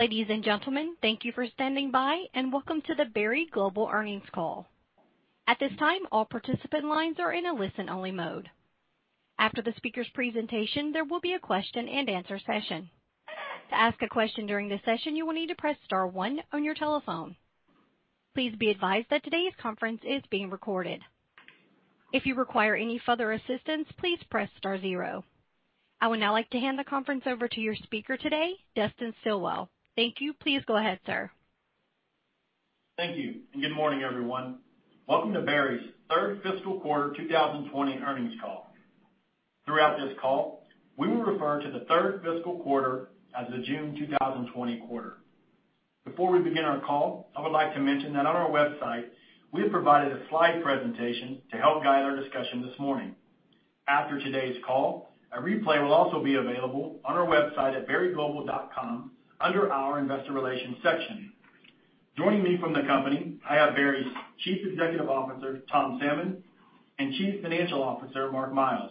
Ladies and gentlemen, thank you for standing by, and welcome to the Berry Global earnings call. At this time, all participant lines are in a listen-only mode. After the speaker's presentation, there will be a question and answer session. To ask a question during this session, you will need to press star one on your telephone. Please be advised that today's conference is being recorded. If you require any further assistance, please press star zero. I would now like to hand the conference over to your speaker today, Dustin Stilwell. Thank you. Please go ahead, sir. Thank you, and good morning, everyone. Welcome to Berry's third fiscal quarter 2020 earnings call. Throughout this call, we will refer to the third fiscal quarter as the June 2020 quarter. Before we begin our call, I would like to mention that on our website, we have provided a slide presentation to help guide our discussion this morning. After today's call, a replay will also be available on our website at berryglobal.com under our investor relations section. Joining me from the company, I have Berry's Chief Executive Officer, Tom Salmon, and Chief Financial Officer, Mark Miles.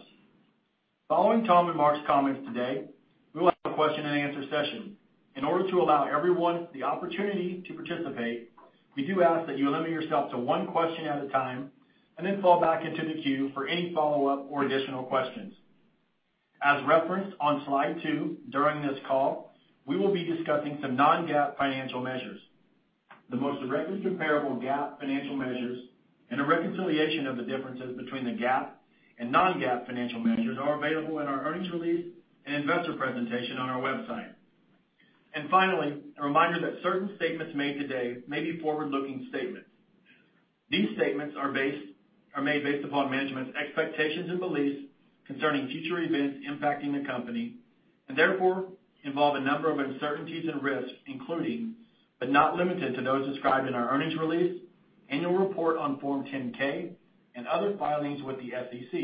Following Tom and Mark's comments today, we will have a question and answer session. In order to allow everyone the opportunity to participate, we do ask that you limit yourself to one question at a time, and then fall back into the queue for any follow-up or additional questions. As referenced on slide two, during this call, we will be discussing some non-GAAP financial measures. The most directly comparable GAAP financial measures, and a reconciliation of the differences between the GAAP and non-GAAP financial measures are available in our earnings release and investor presentation on our website. Finally, a reminder that certain statements made today may be forward-looking statements. These statements are made based upon management's expectations and beliefs concerning future events impacting the company, and therefore, involve a number of uncertainties and risks, including, but not limited to those described in our earnings release, annual report on Form 10-K, and other filings with the SEC.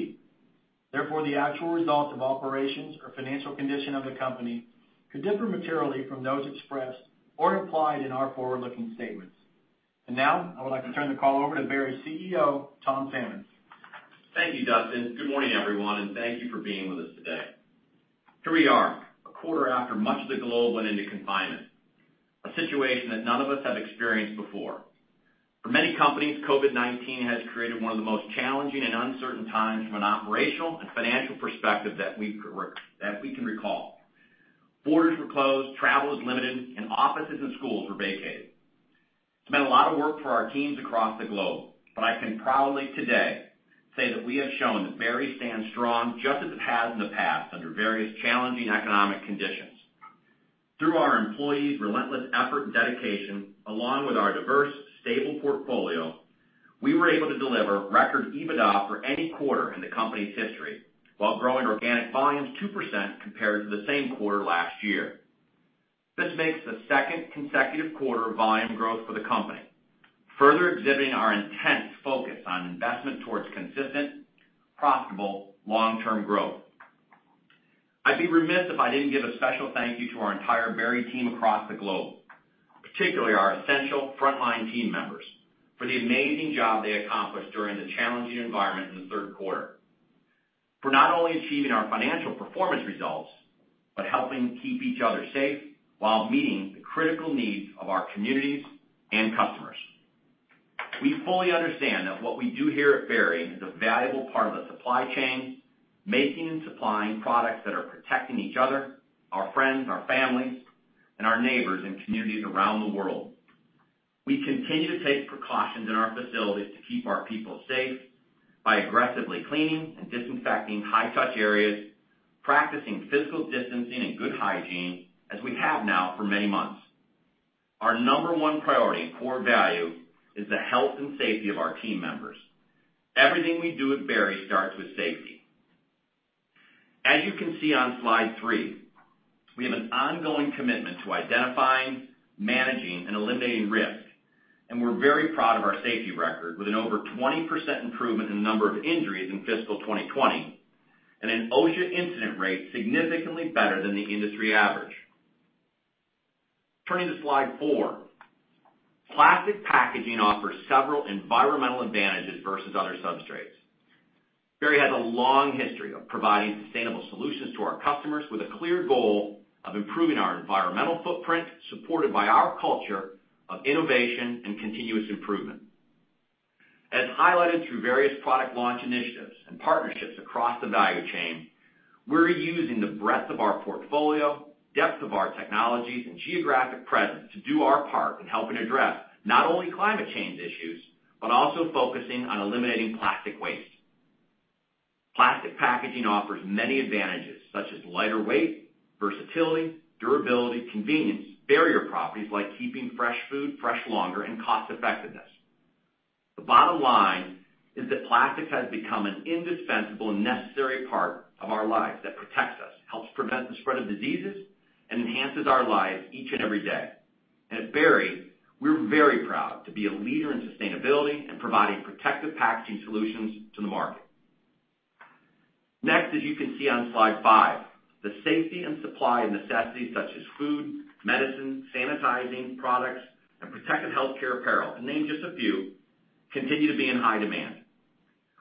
Therefore, the actual results of operations or financial condition of the company could differ materially from those expressed or implied in our forward-looking statements. Now, I would like to turn the call over to Berry's CEO, Tom Salmon. Thank you, Dustin. Good morning, everyone, and thank you for being with us today. Here we are, a quarter after much of the globe went into confinement. A situation that none of us have experienced before. For many companies, COVID-19 has created one of the most challenging and uncertain times from an operational and financial perspective that we can recall. Borders were closed, travel was limited, and offices and schools were vacated. It's meant a lot of work for our teams across the globe, but I can proudly today say that we have shown that Berry stands strong just as it has in the past under various challenging economic conditions. Through our employees' relentless effort and dedication, along with our diverse, stable portfolio, we were able to deliver record EBITDA for any quarter in the company's history, while growing organic volumes 2% compared to the same quarter last year. This makes the second consecutive quarter of volume growth for the company, further exhibiting our intense focus on investment towards consistent, profitable, long-term growth. I'd be remiss if I didn't give a special thank you to our entire Berry team across the globe, particularly our essential frontline team members, for the amazing job they accomplished during the challenging environment in the third quarter. For not only achieving our financial performance results, but helping keep each other safe while meeting the critical needs of our communities and customers. We fully understand that what we do here at Berry is a valuable part of the supply chain, making and supplying products that are protecting each other, our friends, our families, and our neighbors and communities around the world. We continue to take precautions in our facilities to keep our people safe by aggressively cleaning and disinfecting high-touch areas, practicing physical distancing and good hygiene as we have now for many months. Our number one priority and core value is the health and safety of our team members. Everything we do at Berry starts with safety. As you can see on slide three, we have an ongoing commitment to identifying, managing, and eliminating risk, and we're very proud of our safety record, with an over 20% improvement in number of injuries in fiscal 2020, and an OSHA incident rate significantly better than the industry average. Turning to slide four. Plastic packaging offers several environmental advantages versus other substrates. Berry has a long history of providing sustainable solutions to our customers with a clear goal of improving our environmental footprint, supported by our culture of innovation and continuous improvement. As highlighted through various product launch initiatives and partnerships across the value chain, we're using the breadth of our portfolio, depth of our technologies, and geographic presence to do our part in helping address not only climate change issues, but also focusing on eliminating plastic waste. Plastic packaging offers many advantages, such as lighter weight, versatility, durability, convenience, barrier properties like keeping fresh food fresh longer, and cost effectiveness. The bottom line is that plastic has become an indispensable, necessary part of our lives that protects us, helps prevent the spread of diseases, and enhances our lives each and every day. At Berry, we're very proud to be a leader in sustainability and providing protective packaging solutions to the market. Next, as you can see on slide five, the safety and supply of necessities such as food, medicine, sanitizing products, and protective healthcare apparel, to name just a few, continue to be in high demand.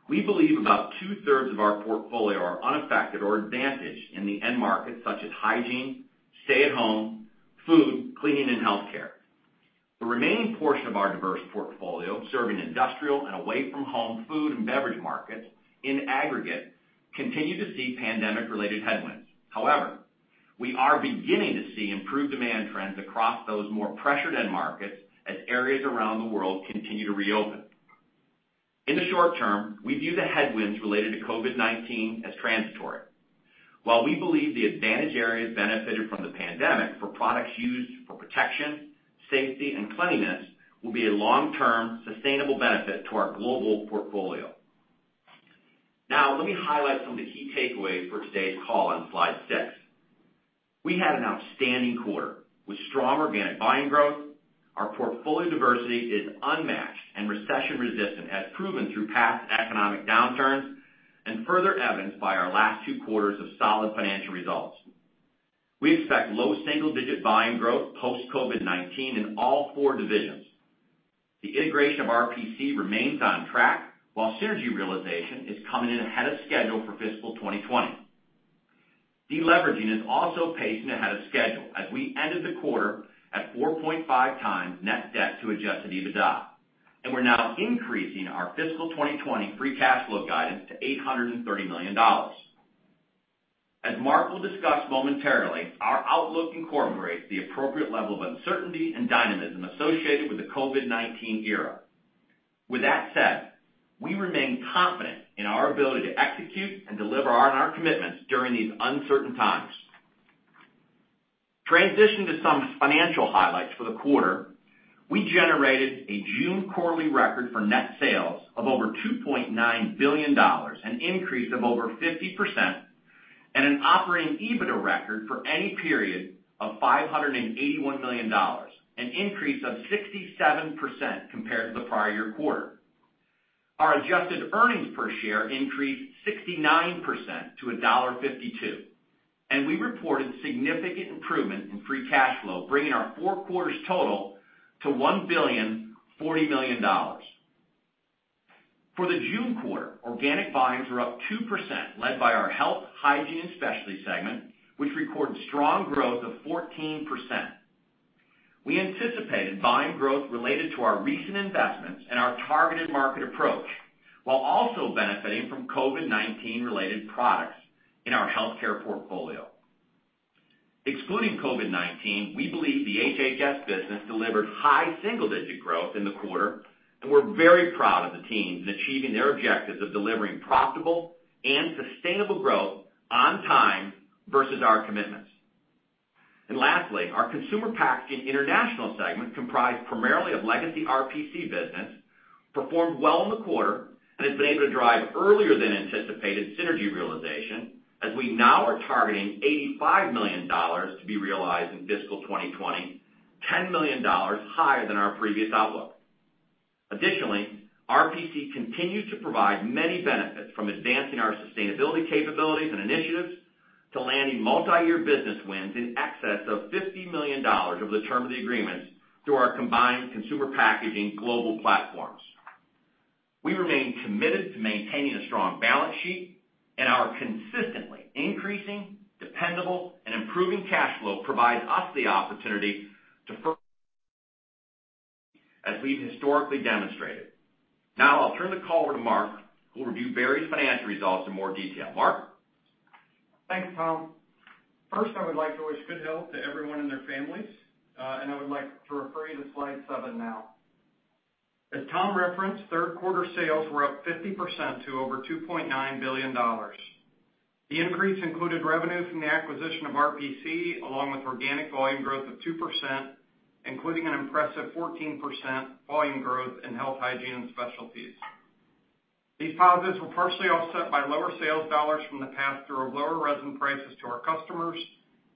We believe about two-thirds of our portfolio are unaffected or advantaged in the end market, such as hygiene, stay-at-home, food, cleaning, and healthcare. The remaining portion of our diverse portfolio, serving industrial and away-from-home food and beverage markets, in aggregate, continue to see pandemic-related headwinds. We are beginning to see improved demand trends across those more pressured end markets as areas around the world continue to reopen. In the short term, we view the headwinds related to COVID-19 as transitory. We believe the advantaged areas benefited from the pandemic for products used for protection, safety, and cleanliness, will be a long-term sustainable benefit to our global portfolio. Let me highlight some of the key takeaways for today's call on slide six. We had an outstanding quarter with strong organic volume growth. Our portfolio diversity is unmatched and recession-resistant, as proven through past economic downturns, and further evidenced by our last two quarters of solid financial results. We expect low single-digit volume growth post-COVID-19 in all four divisions. The integration of RPC remains on track, while synergy realization is coming in ahead of schedule for fiscal 2020. Deleveraging is also pacing ahead of schedule, as we ended the quarter at 4.5x net debt to adjusted EBITDA. We're now increasing our fiscal 2020 free cash flow guidance to $830 million. As Mark will discuss momentarily, our outlook incorporates the appropriate level of uncertainty and dynamism associated with the COVID-19 era. With that said, we remain confident in our ability to execute and deliver on our commitments during these uncertain times. Transition to some financial highlights for the quarter. We generated a June quarterly record for net sales of over $2.9 billion, an increase of over 50%, and an operating EBITDA record for any period of $581 million, an increase of 67% compared to the prior year quarter. Our adjusted earnings per share increased 69% to $1.52, and we reported significant improvement in free cash flow, bringing our four quarters total to $1.04 billion. For the June quarter, organic volumes were up 2%, led by our Health, Hygiene & Specialties segment, which recorded strong growth of 14%. We anticipated volume growth related to our recent investments and our targeted market approach, while also benefiting from COVID-19 related products in our healthcare portfolio. Excluding COVID-19, we believe the HHS business delivered high single-digit growth in the quarter, and we're very proud of the team in achieving their objectives of delivering profitable and sustainable growth on time versus our commitments. Lastly, our Consumer Packaging International segment, comprised primarily of legacy RPC business, performed well in the quarter and has been able to drive earlier than anticipated synergy realization as we now are targeting $85 million to be realized in FY 2020, $10 million higher than our previous outlook. Additionally, RPC continued to provide many benefits from advancing our sustainability capabilities and initiatives to landing multi-year business wins in excess of $50 million over the term of the agreements through our combined consumer packaging global platforms. We remain committed to maintaining a strong balance sheet and are consistently increasing dependable and improving cash flow provides us the opportunity to further as we've historically demonstrated. Now I'll turn the call over to Mark, who will review Berry's financial results in more detail. Mark? Thanks, Tom. First, I would like to wish good health to everyone and their families. I would like to refer you to slide seven now. As Tom referenced, third quarter sales were up 50% to over $2.9 billion. The increase included revenue from the acquisition of RPC along with organic volume growth of 2%, including an impressive 14% volume growth in Health, Hygiene & Specialties. These positives were partially offset by lower sales dollars from the pass-through of lower resin prices to our customers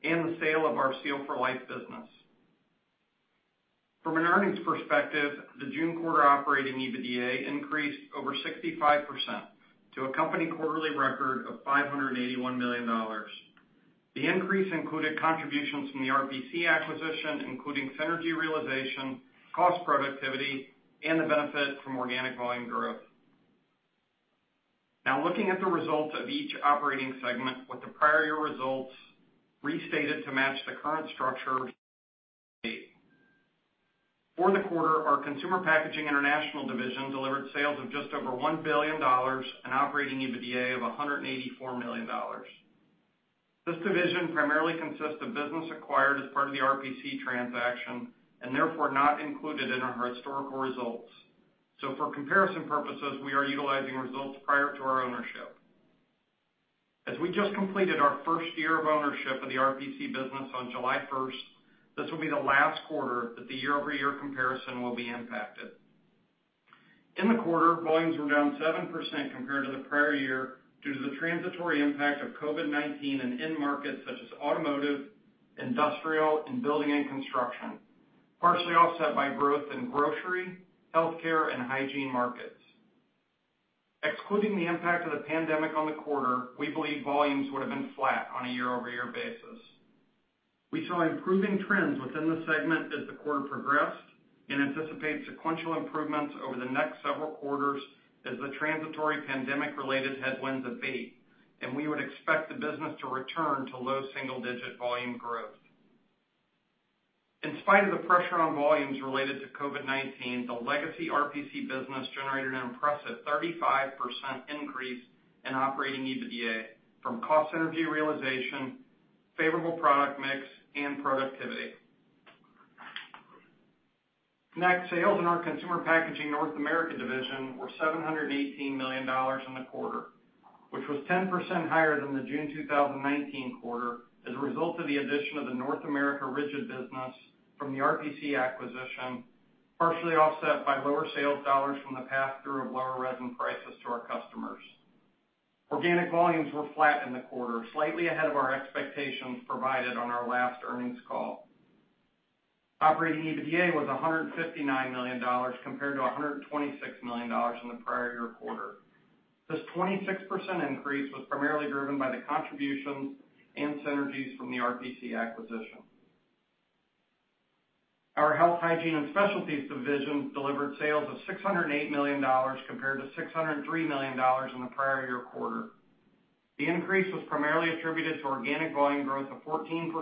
and the sale of our Seal for Life business. From an earnings perspective, the June quarter operating EBITDA increased over 65% to a company quarterly record of $581 million. The increase included contributions from the RPC acquisition, including synergy realization, cost productivity, and the benefit from organic volume growth. Now looking at the results of each operating segment with the prior year results restated to match the current structure. For the quarter, our Consumer Packaging International delivered sales of just over $1 billion and operating EBITDA of $184 million. This division primarily consists of business acquired as part of the RPC transaction and therefore not included in our historical results. For comparison purposes, we are utilizing results prior to our ownership. As we just completed our first year of ownership of the RPC business on July 1st, this will be the last quarter that the year-over-year comparison will be impacted. In the quarter, volumes were down 7% compared to the prior year due to the transitory impact of COVID-19 in end markets such as automotive, industrial, and building and construction, partially offset by growth in grocery, healthcare, and hygiene markets. Excluding the impact of the pandemic on the quarter, we believe volumes would have been flat on a year-over-year basis. We saw improving trends within the segment as the quarter progressed, and anticipate sequential improvements over the next several quarters as the transitory pandemic-related headwinds abate, and we would expect the business to return to low single-digit volume growth. In spite of the pressure on volumes related to COVID-19, the legacy RPC business generated an impressive 35% increase in operating EBITDA from cost synergy realization, favorable product mix, and productivity. Next, sales in our Consumer Packaging North America division were $718 million in the quarter, which was 10% higher than the June 2019 quarter as a result of the addition of the North America Rigid business from the RPC acquisition, partially offset by lower sales dollars from the pass-through of lower resin prices to our customers. Organic volumes were flat in the quarter, slightly ahead of our expectations provided on our last earnings call. Operating EBITDA was $159 million, compared to $126 million in the prior year quarter. This 26% increase was primarily driven by the contributions and synergies from the RPC acquisition. Our Health, Hygiene & Specialties division delivered sales of $608 million, compared to $603 million in the prior year quarter. The increase was primarily attributed to organic volume growth of 14%,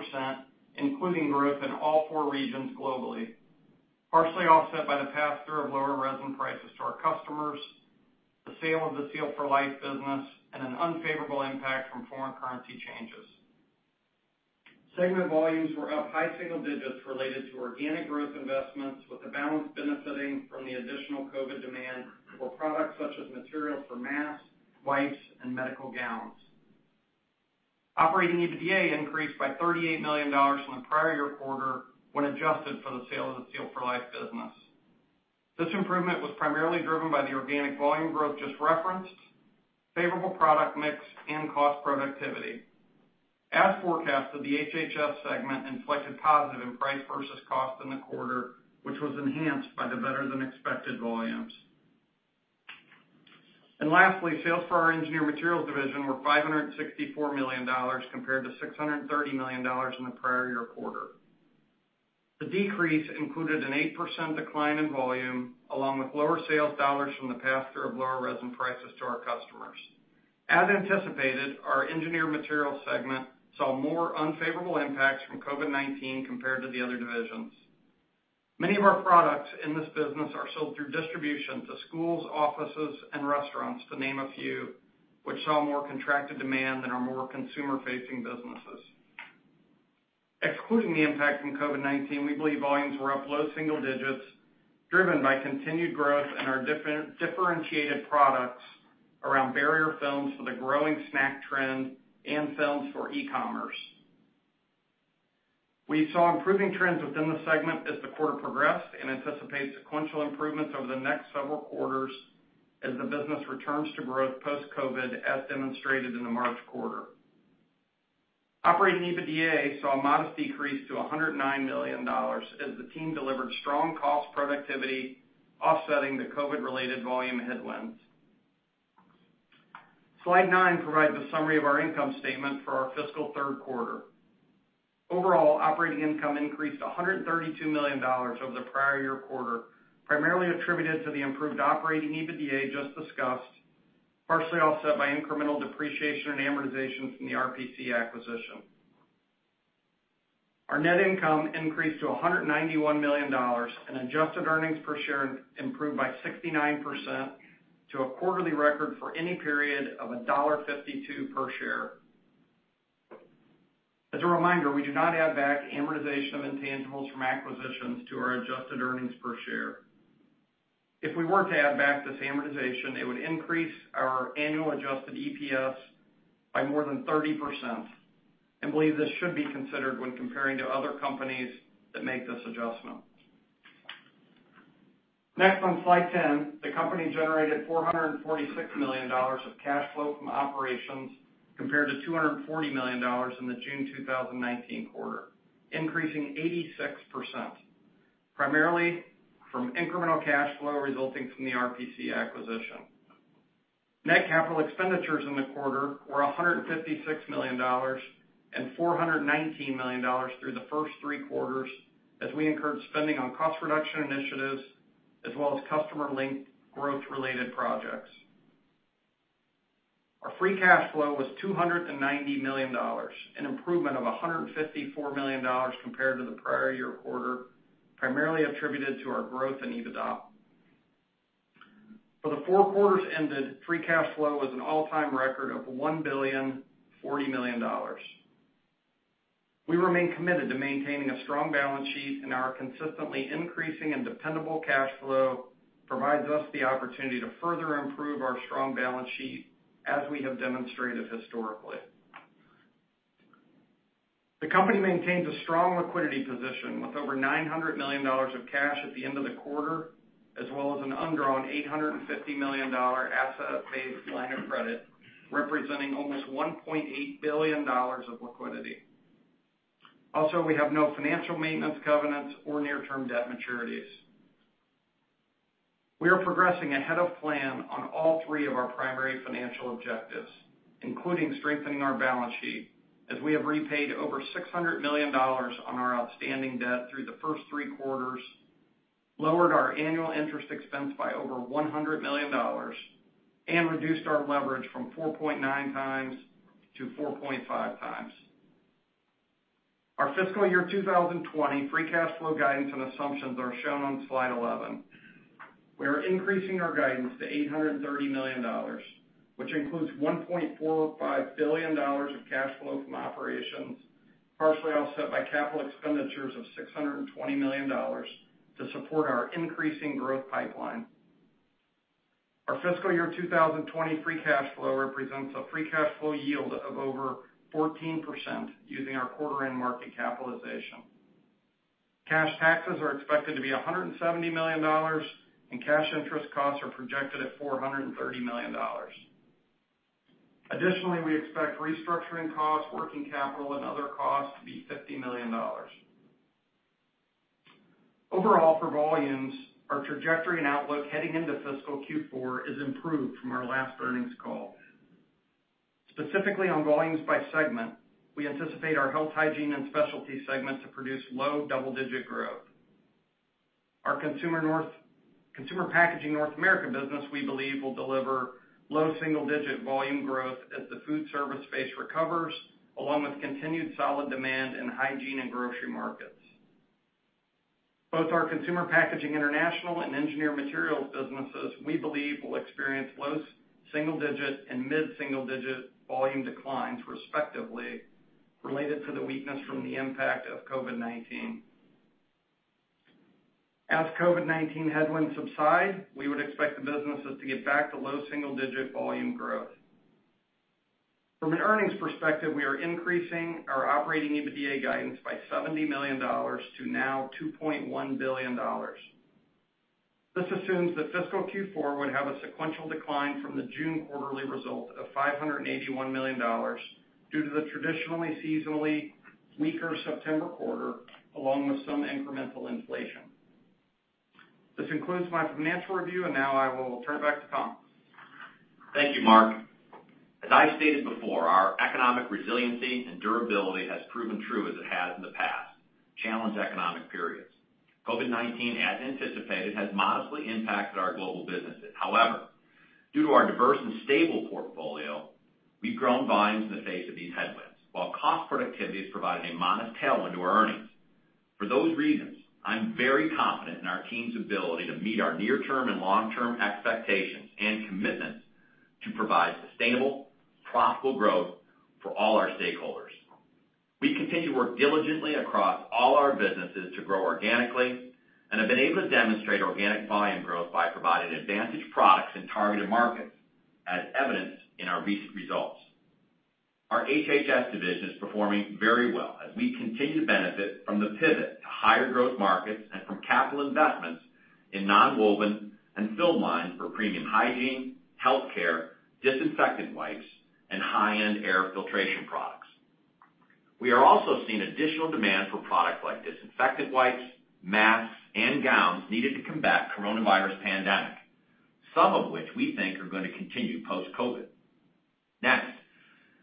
including growth in all four regions globally, partially offset by the pass-through of lower resin prices to our customers, the sale of the Seal for Life business, and an unfavorable impact from foreign currency changes. Segment volumes were up high single-digits related to organic growth investments, with the balance benefiting from the additional COVID demand for products such as materials for masks, wipes, and medical gowns. Operating EBITDA increased by $38 million from the prior year quarter when adjusted for the sale of the Seal for Life business. This improvement was primarily driven by the organic volume growth just referenced, favorable product mix, and cost productivity. Lastly, sales for our HHS segment inflected positive in price versus cost in the quarter, which was enhanced by the better-than-expected volumes. Lastly, sales for our Engineered Materials division were $564 million, compared to $630 million in the prior year quarter. The decrease included an 8% decline in volume, along with lower sales dollars from the pass-through of lower resin prices to our customers. As anticipated, our Engineered Materials segment saw more unfavorable impacts from COVID-19 compared to the other divisions. Many of our products in this business are sold through distribution to schools, offices, and restaurants, to name a few, which saw more contracted demand than our more consumer-facing businesses. Excluding the impact from COVID-19, we believe volumes were up low single-digits, driven by continued growth in our differentiated products around barrier films for the growing snack trend and films for e-commerce. We saw improving trends within the segment as the quarter progressed and anticipate sequential improvements over the next several quarters as the business returns to growth post-COVID, as demonstrated in the March quarter. Operating EBITDA saw a modest decrease to $109 million as the team delivered strong cost productivity, offsetting the COVID-related volume headwinds. Slide nine provides a summary of our income statement for our fiscal third quarter. Operating income increased to $132 million over the prior year quarter, primarily attributed to the improved operating EBITDA just discussed, partially offset by incremental depreciation and amortization from the RPC acquisition. Our net income increased to $191 million, adjusted earnings per share improved by 69% to a quarterly record for any period of $1.52 per share. As a reminder, we do not add back amortization of intangibles from acquisitions to our adjusted earnings per share. If we were to add back this amortization, it would increase our annual adjusted EPS by more than 30%. We believe this should be considered when comparing to other companies that make this adjustment. On slide 10, the company generated $446 million of cash flow from operations compared to $240 million in the June 2019 quarter, increasing 86%, primarily from incremental cash flow resulting from the RPC acquisition. Net capital expenditures in the quarter were $156 million and $419 million through the first three quarters, as we incurred spending on cost reduction initiatives as well as customer-linked growth-related projects. Our free cash flow was $290 million, an improvement of $154 million compared to the prior year quarter, primarily attributed to our growth in EBITDA. For the four quarters ended, free cash flow was an all-time record of $1,040,000,000. We remain committed to maintaining a strong balance sheet, our consistently increasing and dependable cash flow provides us the opportunity to further improve our strong balance sheet as we have demonstrated historically. The company maintains a strong liquidity position, with over $900 million of cash at the end of the quarter, as well as an undrawn $850 million asset-based line of credit, representing almost $1.8 billion of liquidity. Also, we have no financial maintenance covenants or near-term debt maturities. We are progressing ahead of plan on all three of our primary financial objectives, including strengthening our balance sheet, as we have repaid over $600 million on our outstanding debt through the first three quarters, lowered our annual interest expense by over $100 million, and reduced our leverage from 4.9x-4.5x. Our fiscal year 2020 free cash flow guidance and assumptions are shown on slide 11. We are increasing our guidance to $830 million, which includes $1.45 billion of cash flow from operations, partially offset by capital expenditures of $620 million to support our increasing growth pipeline. Our fiscal year 2020 free cash flow represents a free cash flow yield of over 14% using our quarter end market capitalization. Cash taxes are expected to be $170 million, and cash interest costs are projected at $430 million. Additionally, we expect restructuring costs, working capital, and other costs to be $50 million. Overall, for volumes, our trajectory and outlook heading into fiscal Q4 is improved from our last earnings call. Specifically on volumes by segment, we anticipate our Health, Hygiene & Specialties segment to produce low double-digit growth. Our Consumer Packaging North America business, we believe, will deliver low single-digit volume growth as the food service space recovers, along with continued solid demand in hygiene and grocery markets. Both our Consumer Packaging International and Engineered Materials businesses, we believe, will experience low single-digit and mid single-digit volume declines, respectively, related to the weakness from the impact of COVID-19. As COVID-19 headwinds subside, we would expect the businesses to get back to low single-digit volume growth. From an earnings perspective, we are increasing our operating EBITDA guidance by $70 million to now $2.1 billion. This assumes that fiscal Q4 would have a sequential decline from the June quarterly result of $581 million due to the traditionally seasonally weaker September quarter, along with some incremental inflation. This concludes my financial review, and now I will turn it back to Tom. Thank you, Mark. As I stated before, our economic resiliency and durability has proven true as it has in the past challenged economic periods. COVID-19, as anticipated, has modestly impacted our global businesses. However, due to our diverse and stable portfolio, we've grown volumes in the face of these headwinds, while cost productivity has provided a modest tailwind to our earnings. For those reasons, I'm very confident in our team's ability to meet our near-term and long-term expectations and commitments to provide sustainable, profitable growth for all our stakeholders. We continue to work diligently across all our businesses to grow organically and have been able to demonstrate organic volume growth by providing advantage products in targeted markets, as evidenced in our recent results. Our HHS division is performing very well as we continue to benefit from the pivot to higher growth markets and from capital investments in nonwoven and film line for premium hygiene, healthcare, disinfectant wipes, and high-end air filtration products. We are also seeing additional demand for products like disinfectant wipes, masks, and gowns needed to combat COVID-19, some of which we think are going to continue post-COVID. Next,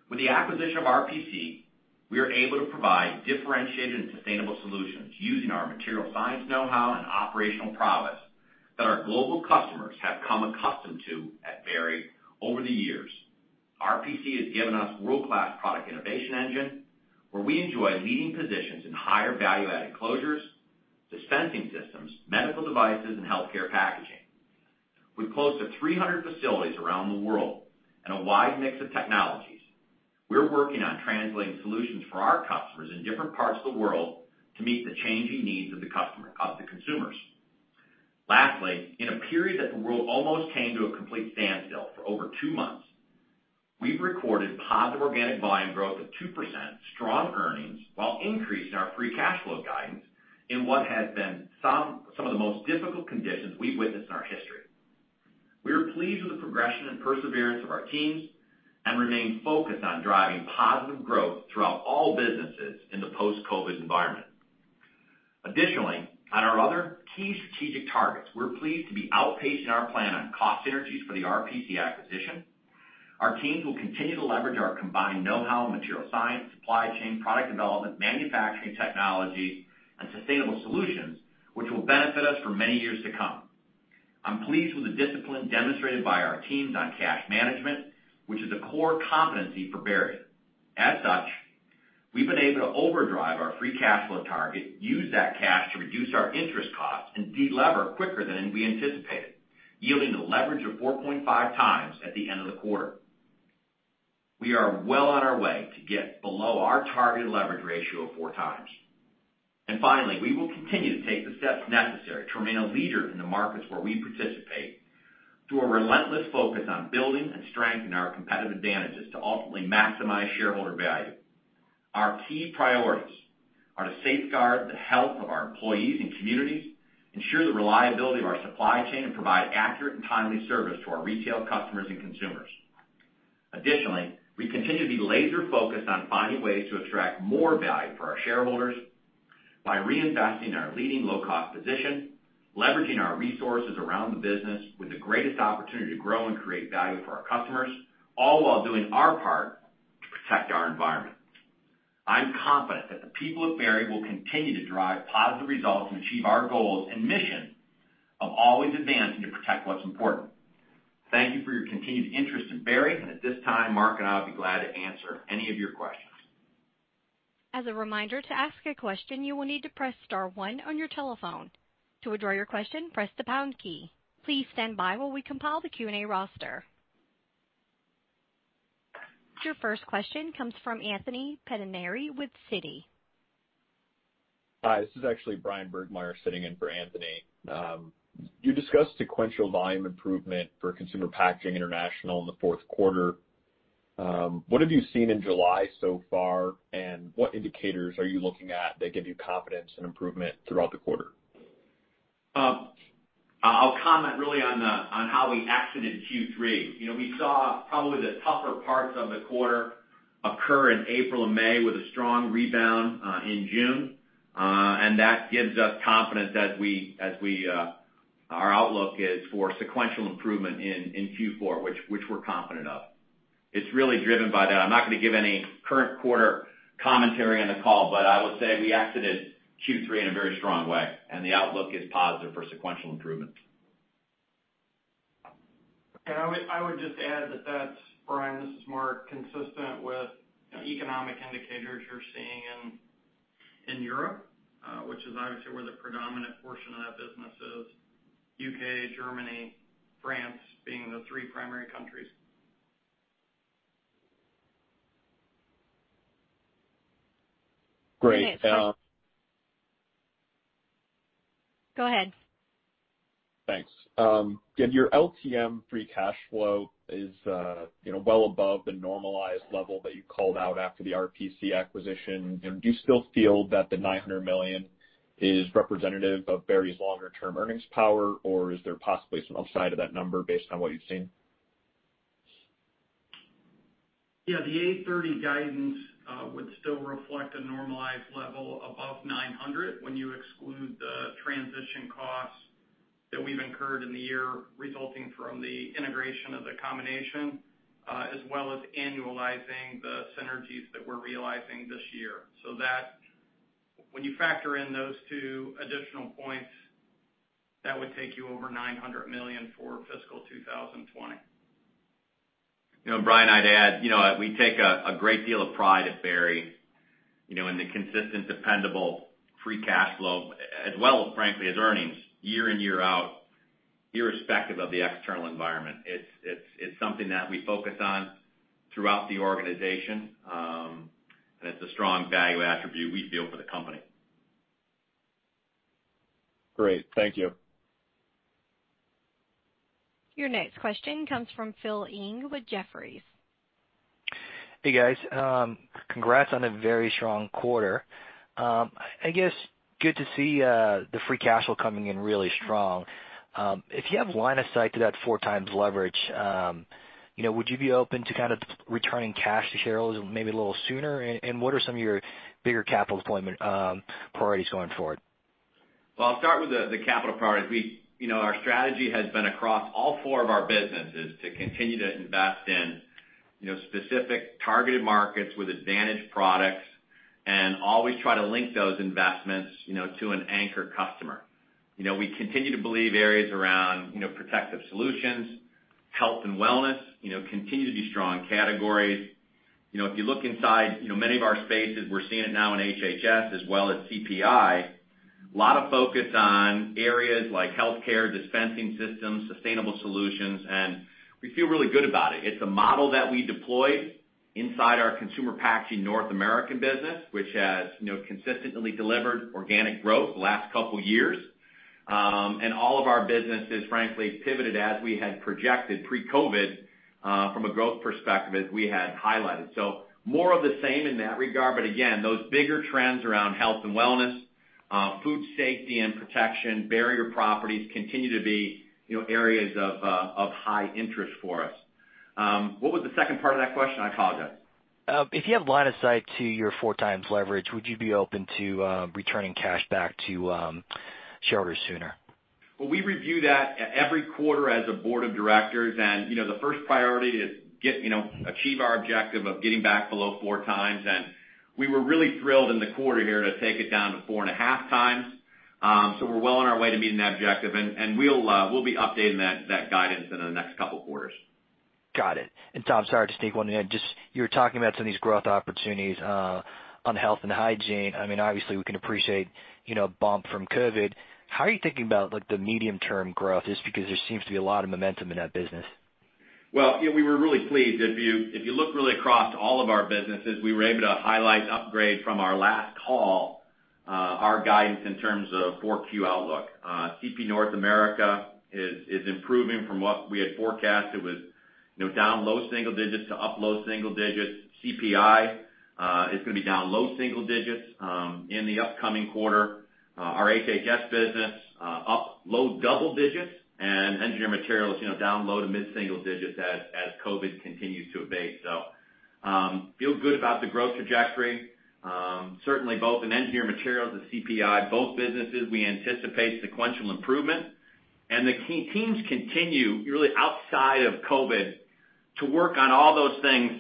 with the acquisition of RPC, we are able to provide differentiated and sustainable solutions using our material science know-how and operational prowess that our global customers have come accustomed to at Berry over the years. RPC has given us world-class product innovation engine, where we enjoy leading positions in higher value-added closures, dispensing systems, medical devices, and healthcare packaging. With close to 300 facilities around the world and a wide mix of technologies, we're working on translating solutions for our customers in different parts of the world to meet the changing needs of the consumers. Lastly, in a period that the world almost came to a complete standstill for over two months, we've recorded positive organic volume growth of 2%, strong earnings, while increasing our free cash flow guidance in what has been some of the most difficult conditions we've witnessed in our history. We are pleased with the progression and perseverance of our teams and remain focused on driving positive growth throughout all businesses in the post-COVID-19 environment. Additionally, on our other key strategic targets, we're pleased to be outpacing our plan on cost synergies for the RPC acquisition. Our teams will continue to leverage our combined know-how in material science, supply chain, product development, manufacturing technology, and sustainable solutions, which will benefit us for many years to come. I'm pleased with the discipline demonstrated by our teams on cash management, which is a core competency for Berry. As such, we've been able to overdrive our free cash flow target, use that cash to reduce our interest costs, and de-lever quicker than we anticipated, yielding a leverage of 4.5x at the end of the quarter. We are well on our way to get below our targeted leverage ratio of 4x. Finally, we will continue to take the steps necessary to remain a leader in the markets where we participate through a relentless focus on building and strengthening our competitive advantages to ultimately maximize shareholder value. Our key priorities are to safeguard the health of our employees and communities, ensure the reliability of our supply chain, and provide accurate and timely service to our retail customers and consumers. Additionally, we continue to be laser focused on finding ways to attract more value for our shareholders by reinvesting our leading low-cost position, leveraging our resources around the business with the greatest opportunity to grow and create value for our customers, all while doing our part to protect our environment. I'm confident that the people of Berry will continue to drive positive results and achieve our goals and mission of always advancing to protect what's important. Thank you for your continued interest in Berry, and at this time, Mark and I will be glad to answer any of your questions. As a reminder, to ask a question, you will need to press star one on your telephone. To withdraw your question, press the pound key. Please stand by while we compile the Q&A roster. Your first question comes from Anthony Pettinari with Citi. Hi, this is actually Bryan Burgmeier sitting in for Anthony. You discussed sequential volume improvement for Consumer Packaging International in the fourth quarter. What have you seen in July so far, and what indicators are you looking at that give you confidence in improvement throughout the quarter? I'll comment really on how we exited Q3. We saw probably the tougher parts of the quarter occur in April and May, with a strong rebound in June. That gives us confidence as our outlook is for sequential improvement in Q4, which we're confident of. It's really driven by that. I'm not going to give any current quarter commentary on the call, but I will say we exited Q3 in a very strong way, and the outlook is positive for sequential improvements. I would just add that that's, Bryan, this is Mark, consistent with economic indicators you're seeing in Europe, which is obviously where the predominant portion of that business is, U.K., Germany, France being the three primary countries. Great. Go ahead. Thanks. Your LTM free cash flow is well above the normalized level that you called out after the RPC acquisition. Do you still feel that the $900 million is representative of Berry's longer-term earnings power, or is there possibly some upside to that number based on what you've seen? Yeah, the $830 million guidance would still reflect a normalized level above $900 million when you exclude the transition costs that we've incurred in the year resulting from the integration of the combination as well as annualizing the synergies that we're realizing this year. When you factor in those two additional points, that would take you over $900 million for fiscal 2020. Bryan, I'd add, we take a great deal of pride at Berry, in the consistent, dependable free cash flow, as well, frankly, as earnings, year in, year out, irrespective of the external environment. It's something that we focus on throughout the organization. It's a strong value attribute we feel for the company. Great. Thank you. Your next question comes from Phil Ng with Jefferies. Hey, guys. Congrats on a very strong quarter. I guess good to see the free cash flow coming in really strong. If you have line of sight to that 4x leverage, would you be open to kind of returning cash to shareholders maybe a little sooner? What are some of your bigger capital deployment priorities going forward? Well, I'll start with the capital priorities. Our strategy has been across all four of our businesses to continue to invest in specific targeted markets with advantage products and always try to link those investments to an anchor customer. We continue to believe areas around protective solutions, health and wellness, continue to be strong categories. If you look inside many of our spaces, we're seeing it now in HHS as well as CPI, lot of focus on areas like healthcare dispensing systems, sustainable solutions, and we feel really good about it. It's a model that we deployed inside our Consumer Packaging North America, which has consistently delivered organic growth the last couple years. All of our businesses, frankly, pivoted as we had projected pre-COVID-19, from a growth perspective, as we had highlighted. More of the same in that regard, but again, those bigger trends around health and wellness, food safety and protection, barrier properties continue to be areas of high interest for us. What was the second part of that question? I apologize. If you have line of sight to your 4x leverage, would you be open to returning cash back to shareholders sooner? Well, we review that every quarter as a board of directors. The first priority to achieve our objective of getting back below 4x. We were really thrilled in the quarter here to take it down to 4.5x. We're well on our way to meeting that objective, and we'll be updating that guidance in the next couple of quarters. Got it. Tom, sorry to sneak one in. You were talking about some of these growth opportunities on health and hygiene. Obviously we can appreciate bump from COVID. How are you thinking about the medium term growth, just because there seems to be a lot of momentum in that business? Well, we were really pleased. If you look really across all of our businesses, we were able to highlight upgrade from our last call our guidance in terms of 4Q outlook. CP North America is improving from what we had forecasted with down low single-digits to up low single-digits. CPI is going to be down low single-digits in the upcoming quarter. Our HHS business up low double-digits and Engineered Materials down low to mid single-digits as COVID continues to abate. Feel good about the growth trajectory. Certainly both in Engineered Materials and CPI, both businesses, we anticipate sequential improvement. The key teams continue, really outside of COVID, to work on all those things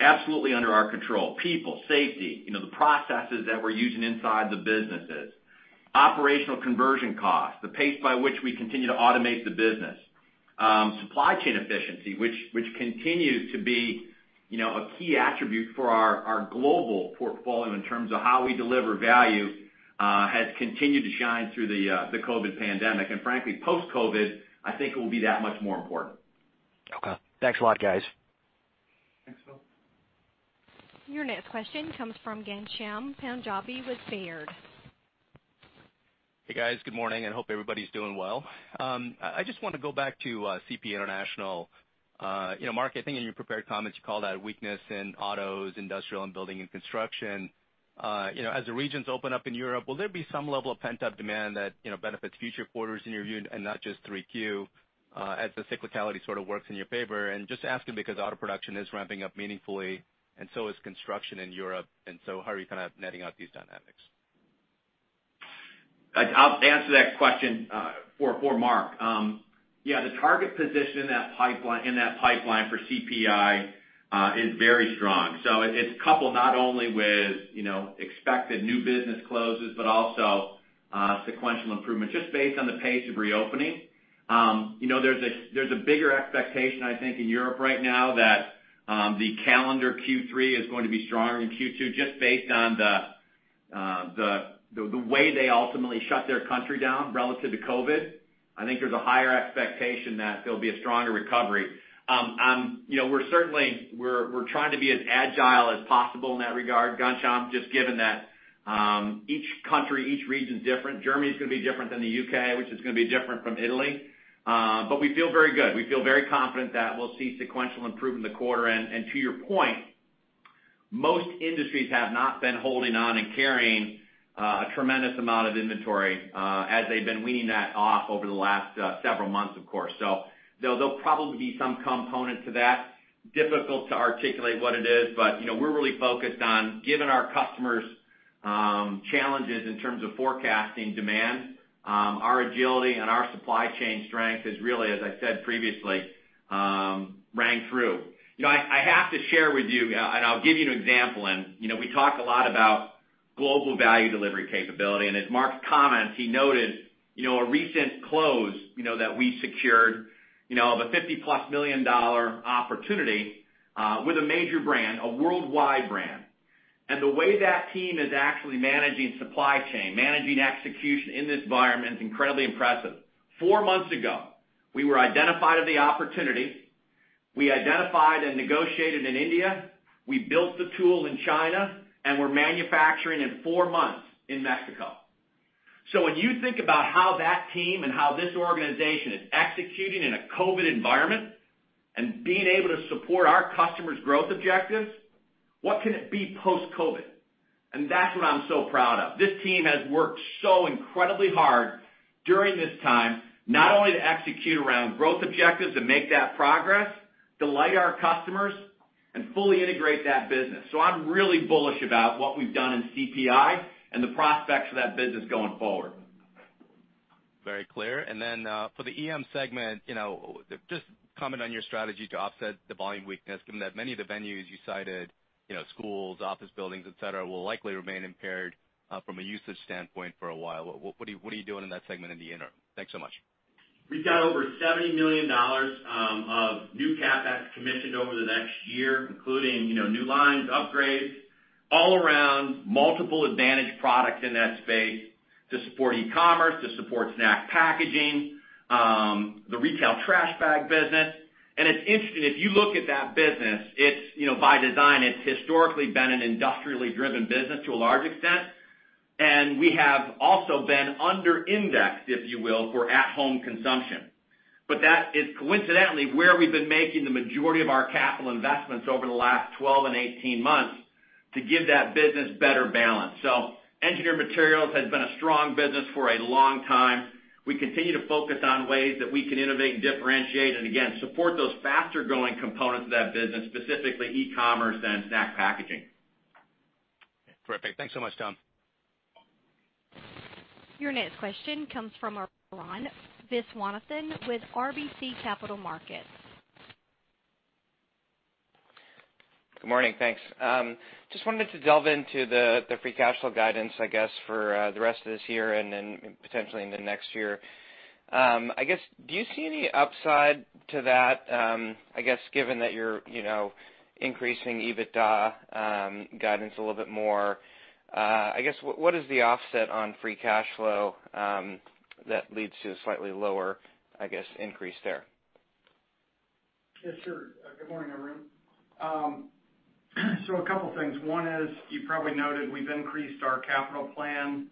absolutely under our control. People, safety, the processes that we're using inside the businesses, operational conversion costs, the pace by which we continue to automate the business. Supply chain efficiency, which continues to be a key attribute for our global portfolio in terms of how we deliver value has continued to shine through the COVID pandemic. Frankly, post-COVID, I think it will be that much more important. Okay. Thanks a lot, guys. Thanks, Phil. Your next question comes from Ghansham Panjabi with Baird. Hey, guys. Good morning, and hope everybody's doing well. I just want to go back to CP International. Mark, I think in your prepared comments, you called out weakness in autos, industrial and building and construction. As the regions open up in Europe, will there be some level of pent-up demand that benefits future quarters in your view and not just 3Q, as the cyclicality sort of works in your favor? Just asking because auto production is ramping up meaningfully and so is construction in Europe, and so how are you kind of netting out these dynamics? I'll answer that question for Mark. Yeah, the target position in that pipeline for CPI is very strong. It's coupled not only with expected new business closes, but also sequential improvements just based on the pace of reopening. There's a bigger expectation, I think, in Europe right now that the calendar Q3 is going to be stronger than Q2, just based on the way they ultimately shut their country down relative to COVID. I think there's a higher expectation that there'll be a stronger recovery. We're trying to be as agile as possible in that regard, Ghansham, just given that each country, each region's different. Germany's gonna be different than the U.K., which is gonna be different from Italy. We feel very good. We feel very confident that we'll see sequential improvement in the quarter. To your point, most industries have not been holding on and carrying a tremendous amount of inventory, as they've been weaning that off over the last several months, of course. There'll probably be some component to that. Difficult to articulate what it is, but we're really focused on giving our customers challenges in terms of forecasting demand. Our agility and our supply chain strength has really, as I said previously, rang through. I have to share with you, and I'll give you an example. We talk a lot about global value delivery capability, and as Mark's comments, he noted a recent close that we secured of a $50+ million opportunity with a major brand, a worldwide brand. The way that team is actually managing supply chain, managing execution in this environment is incredibly impressive. Four months ago, we were identified of the opportunity. We identified and negotiated in India, we built the tool in China, we're manufacturing in four months in Mexico. When you think about how that team and how this organization is executing in a COVID environment and being able to support our customers' growth objectives, what can it be post-COVID? That's what I'm so proud of. This team has worked so incredibly hard during this time, not only to execute around growth objectives and make that progress, delight our customers, and fully integrate that business. I'm really bullish about what we've done in CPI and the prospects for that business going forward. Very clear. For the EM segment, just comment on your strategy to offset the volume weakness, given that many of the venues you cited, schools, office buildings, et cetera, will likely remain impaired, from a usage standpoint for a while. What are you doing in that segment in the interim? Thanks so much. We've got over $70 million of new CapEx commissioned over the next year, including new lines, upgrades, all around multiple advantage products in that space to support e-commerce, to support snack packaging, the retail trash bag business. It's interesting, if you look at that business, by design, it's historically been an industrially driven business to a large extent, and we have also been under-indexed, if you will, for at-home consumption. That is coincidentally where we've been making the majority of our capital investments over the last 12 and 18 months to give that business better balance. Engineered Materials has been a strong business for a long time. We continue to focus on ways that we can innovate and differentiate and again, support those faster-growing components of that business, specifically e-commerce and snack packaging. Okay. Terrific. Thanks so much, Tom. Your next question comes from Arun Viswanathan with RBC Capital Markets. Good morning, thanks. Just wanted to delve into the free cash flow guidance, I guess, for the rest of this year and then potentially in the next year. I guess, do you see any upside to that, I guess, given that you're increasing EBITDA guidance a little bit more? I guess, what is the offset on free cash flow that leads to a slightly lower, I guess, increase there? Yes, sure. Good morning, everyone. A couple things. One is, you probably noted we've increased our capital plan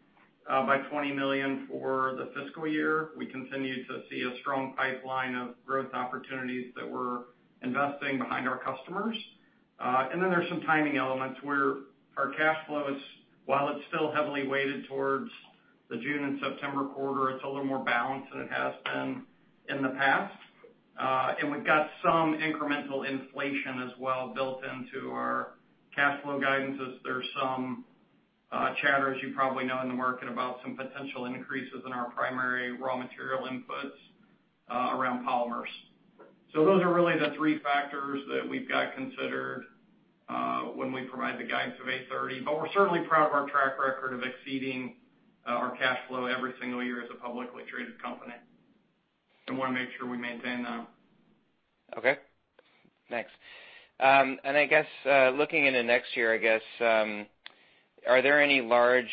by $20 million for the fiscal year. We continue to see a strong pipeline of growth opportunities that we're investing behind our customers. There's some timing elements where our cash flow is, while it's still heavily weighted towards the June and September quarter, it's a little more balanced than it has been in the past. We've got some incremental inflation as well built into our cash flow guidances. There's some chatter, as you probably know, in the market about some potential increases in our primary raw material inputs around polymers. Those are really the three factors that we've got considered when we provide the guidance of $830 million. We're certainly proud of our track record of exceeding our cash flow every single year as a publicly traded company, and want to make sure we maintain that. Okay, thanks. I guess, looking into next year, are there any large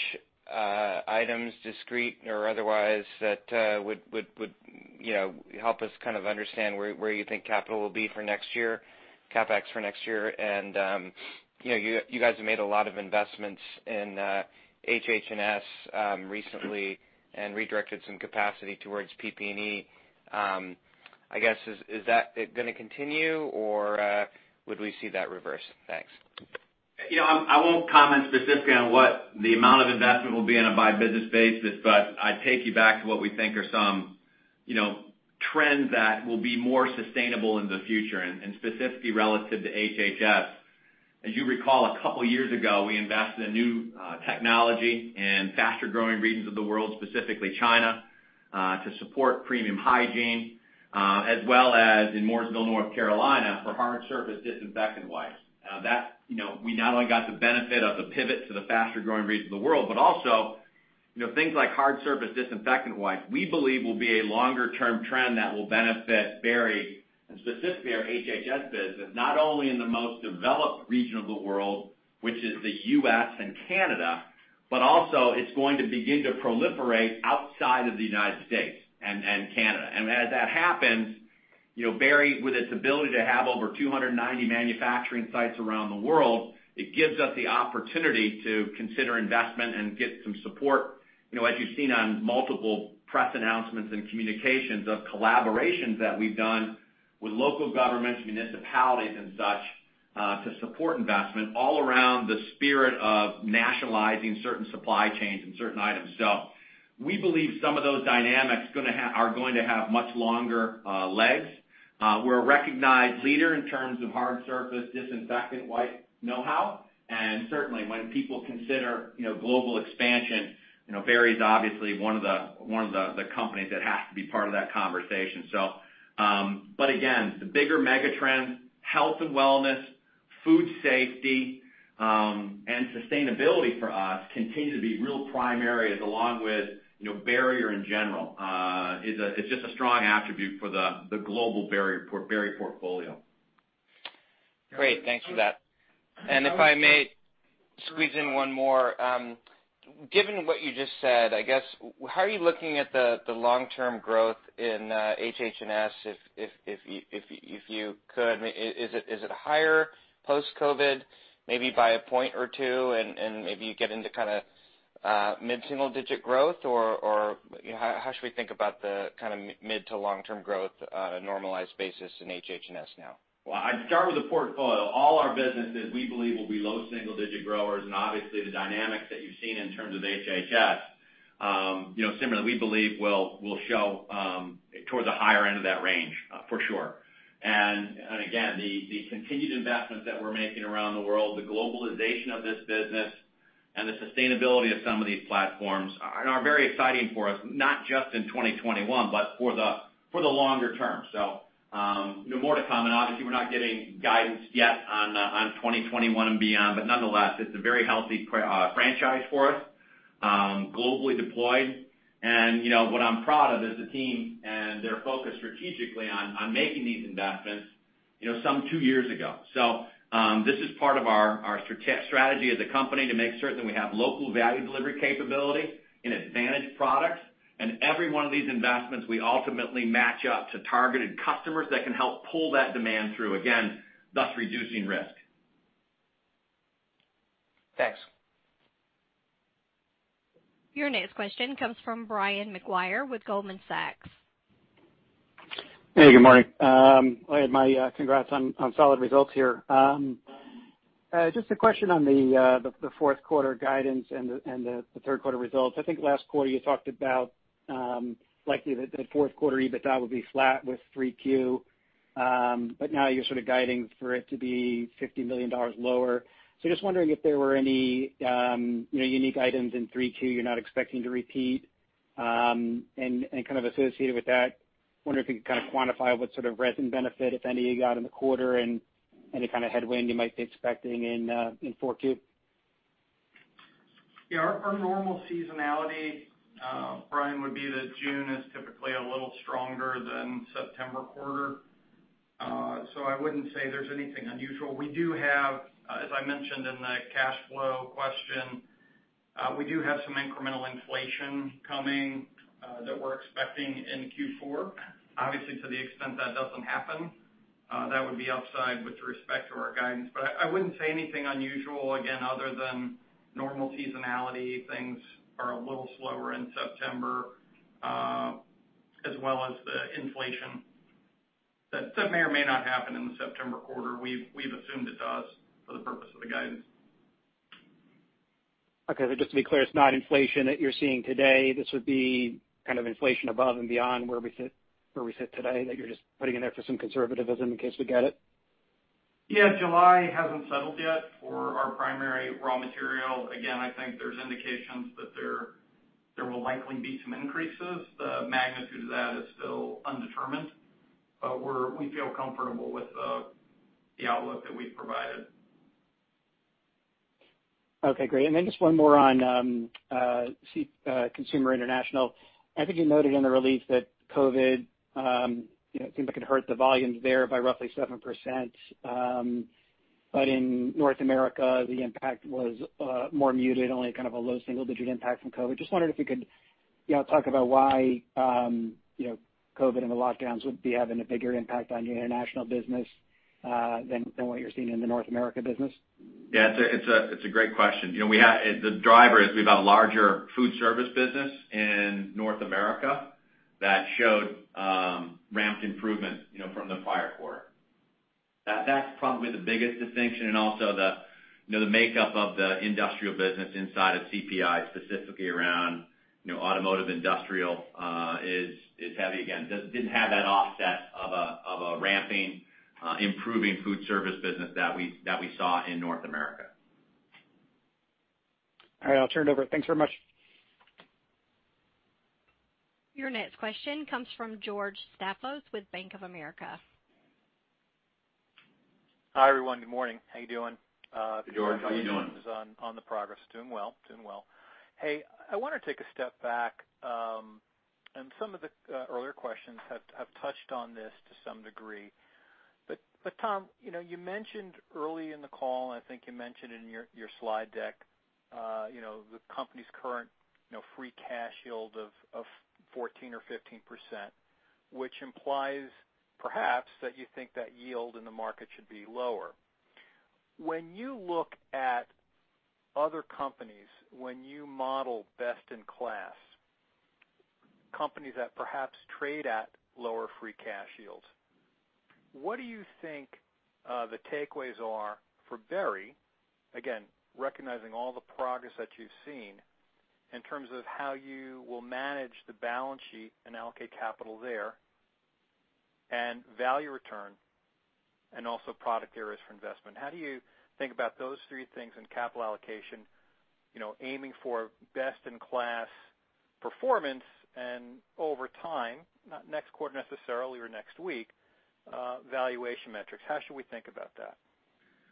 items, discrete or otherwise, that would help us understand where you think capital will be for next year, CapEx for next year? You guys have made a lot of investments in HHS recently and redirected some capacity towards PPE. I guess, is that going to continue, or would we see that reverse? Thanks. I won't comment specifically on what the amount of investment will be on a by business basis, I'd take you back to what we think are some trends that will be more sustainable in the future, and specifically relative to HHS. As you recall, a couple years ago, we invested in new technology in faster-growing regions of the world, specifically China, to support premium hygiene, as well as in Mooresville, North Carolina, for hard surface disinfectant wipes. We not only got the benefit of the pivot to the faster-growing regions of the world, but also, things like hard surface disinfectant wipes, we believe will be a longer-term trend that will benefit Berry, and specifically our HHS business, not only in the most developed region of the world, which is the U.S. and Canada, but also it's going to begin to proliferate outside of the U.S. and Canada. As that happens, Berry, with its ability to have over 290 manufacturing sites around the world, it gives us the opportunity to consider investment and get some support. As you've seen on multiple press announcements and communications of collaborations that we've done with local governments, municipalities, and such, to support investment all around the spirit of nationalizing certain supply chains and certain items. We believe some of those dynamics are going to have much longer legs. We're a recognized leader in terms of hard surface disinfectant wipe know-how, and certainly when people consider global expansion, Berry's obviously one of the companies that has to be part of that conversation. Again, the bigger mega trends, health and wellness, food safety, and sustainability for us continue to be real prime areas, along with barrier in general. It's just a strong attribute for the global Berry portfolio. Great. Thanks for that. If I may squeeze in one more. Given what you just said, how are you looking at the long-term growth in HH&S, if you could? Is it higher post-COVID-19, maybe by a point or two, and maybe you get into mid single-digit growth? Or how should we think about the mid to long-term growth on a normalized basis in HH&S now? Well, I'd start with the portfolio. All our businesses, we believe, will be low single-digit growers, obviously the dynamics that you've seen in terms of HHS, similarly, we believe will show towards the higher end of that range, for sure. Again, the continued investments that we're making around the world, the globalization of this business, and the sustainability of some of these platforms are very exciting for us, not just in 2021, but for the longer term. More to come, obviously we're not giving guidance yet on 2021 and beyond. Nonetheless, it's a very healthy franchise for us, globally deployed. What I'm proud of is the team and their focus strategically on making these investments some two years ago. This is part of our strategy as a company to make certain we have local value delivery capability in advantage products. Every one of these investments we ultimately match up to targeted customers that can help pull that demand through again, thus reducing risk. Thanks. Your next question comes from Brian Maguire with Goldman Sachs. Hey, good morning. My congrats on solid results here. Just a question on the fourth quarter guidance and the third quarter results. I think last quarter you talked about likely that fourth quarter EBITDA would be flat with 3Q, but now you're sort of guiding for it to be $50 million lower. Just wondering if there were any unique items in 3Q you're not expecting to repeat. Kind of associated with that, wondering if you could kind of quantify what sort of resin benefit, if any, you got in the quarter, and any kind of headwind you might be expecting in 4Q. Yeah, our normal seasonality, Brian, would be that June is typically a little stronger than September quarter. I wouldn't say there's anything unusual. We do have, as I mentioned in the cash flow question, we do have some incremental inflation coming that we're expecting in Q4. Obviously, to the extent that doesn't happen. That would be upside with respect to our guidance. I wouldn't say anything unusual, again, other than normal seasonality. Things are a little slower in September, as well as the inflation. That may or may not happen in the September quarter. We've assumed it does for the purpose of the guidance. Just to be clear, it's not inflation that you're seeing today. This would be inflation above and beyond where we sit today, that you're just putting in there for some conservatism in case we get it? Yeah. July hasn't settled yet for our primary raw material. Again, I think there's indications that there will likely be some increases. The magnitude of that is still undetermined, but we feel comfortable with the outlook that we've provided. Okay, great. Just one more on Consumer International. I think you noted in the release that COVID seemed like it hurt the volumes there by roughly 7%, but in North America, the impact was more muted, only a low single-digit impact from COVID. Just wondered if you could talk about why COVID and the lockdowns would be having a bigger impact on your International business than what you're seeing in the North America business. It's a great question. The driver is we've got a larger food service business in North America that showed ramped improvement from the prior quarter. That's probably the biggest distinction, and also the makeup of the industrial business inside of CPI, specifically around automotive industrial is heavy. Again, didn't have that offset of a ramping, improving food service business that we saw in North America. All right. I'll turn it over. Thanks very much. Your next question comes from George Staphos with Bank of America. Hi, everyone. Good morning. How you doing? George, how you doing? Congratulations on the progress. Doing well. Hey, I want to take a step back, and some of the earlier questions have touched on this to some degree. Tom, you mentioned early in the call, and I think you mentioned in your slide deck, the company's current free cash yield of 14% or 15%, which implies perhaps that you think that yield in the market should be lower. When you look at other companies, when you model best in class companies that perhaps trade at lower free cash yields, what do you think the takeaways are for Berry, again, recognizing all the progress that you have seen, in terms of how you will manage the balance sheet and allocate capital there and value return, and also product areas for investment? How do you think about those three things in capital allocation, aiming for best in class performance and over time, not next quarter necessarily or next week, valuation metrics? How should we think about that?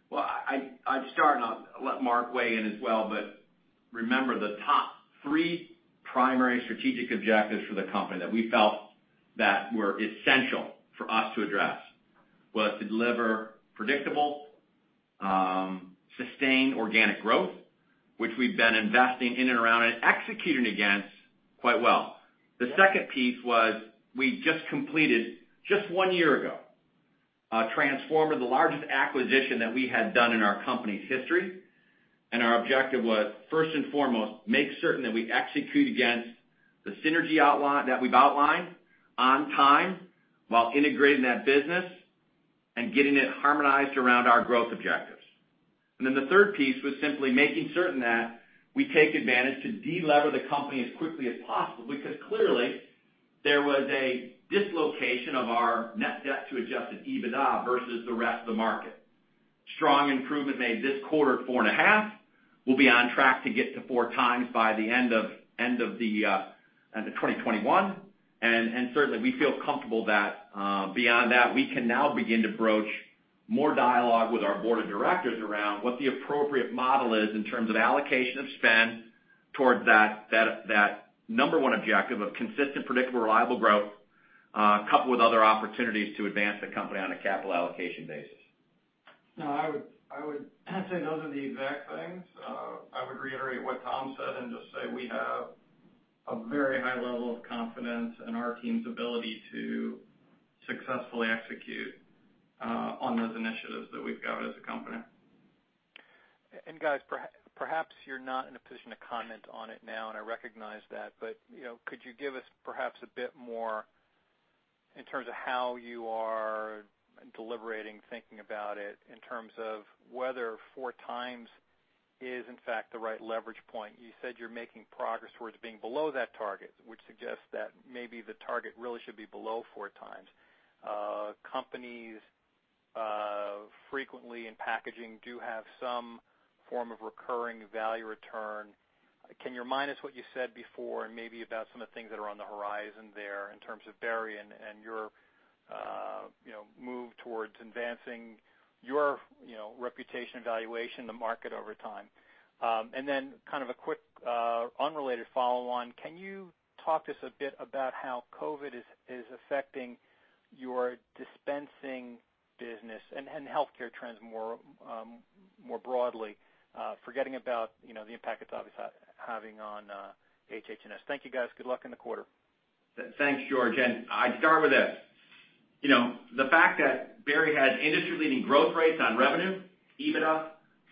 Well, I'd start and I'll let Mark weigh in as well, but remember the top three primary strategic objectives for the company that we felt that were essential for us to address was to deliver predictable, sustained organic growth, which we've been investing in and around and executing against quite well. The second piece was we just completed, just one year ago, transformed the largest acquisition that we had done in our company's history, and our objective was, first and foremost, make certain that we execute against the synergy that we've outlined on time while integrating that business and getting it harmonized around our growth objectives. The third piece was simply making certain that we take advantage to de-lever the company as quickly as possible, because clearly there was a dislocation of our net debt to adjusted EBITDA versus the rest of the market. Strong improvement made this quarter at 4.5x. We'll be on track to get to 4x by the end of 2021. Certainly we feel comfortable that beyond that, we can now begin to broach more dialogue with our board of directors around what the appropriate model is in terms of allocation of spend towards that number one objective of consistent, predictable, reliable growth, coupled with other opportunities to advance the company on a capital allocation basis. No, I would say those are the exact things. I would reiterate what Tom said and just say we have a very high level of confidence in our team's ability to successfully execute on those initiatives that we've got as a company. Guys, perhaps you're not in a position to comment on it now, and I recognize that, but could you give us perhaps a bit more in terms of how you are deliberating, thinking about it in terms of whether 4x is in fact the right leverage point? You said you're making progress towards being below that target, which suggests that maybe the target really should be below 4x. Companies frequently in packaging do have some form of recurring value return. Can you remind us what you said before and maybe about some of the things that are on the horizon there in terms of Berry and your move towards advancing your reputation and valuation in the market over time? Kind of a quick, unrelated follow-on, can you talk to us a bit about how COVID is affecting your dispensing business and healthcare trends more broadly, forgetting about the impact it's obviously having on HH&S? Thank you, guys. Good luck in the quarter. Thanks, George. I'd start with this. The fact that Berry has industry-leading growth rates on revenue, EBITDA,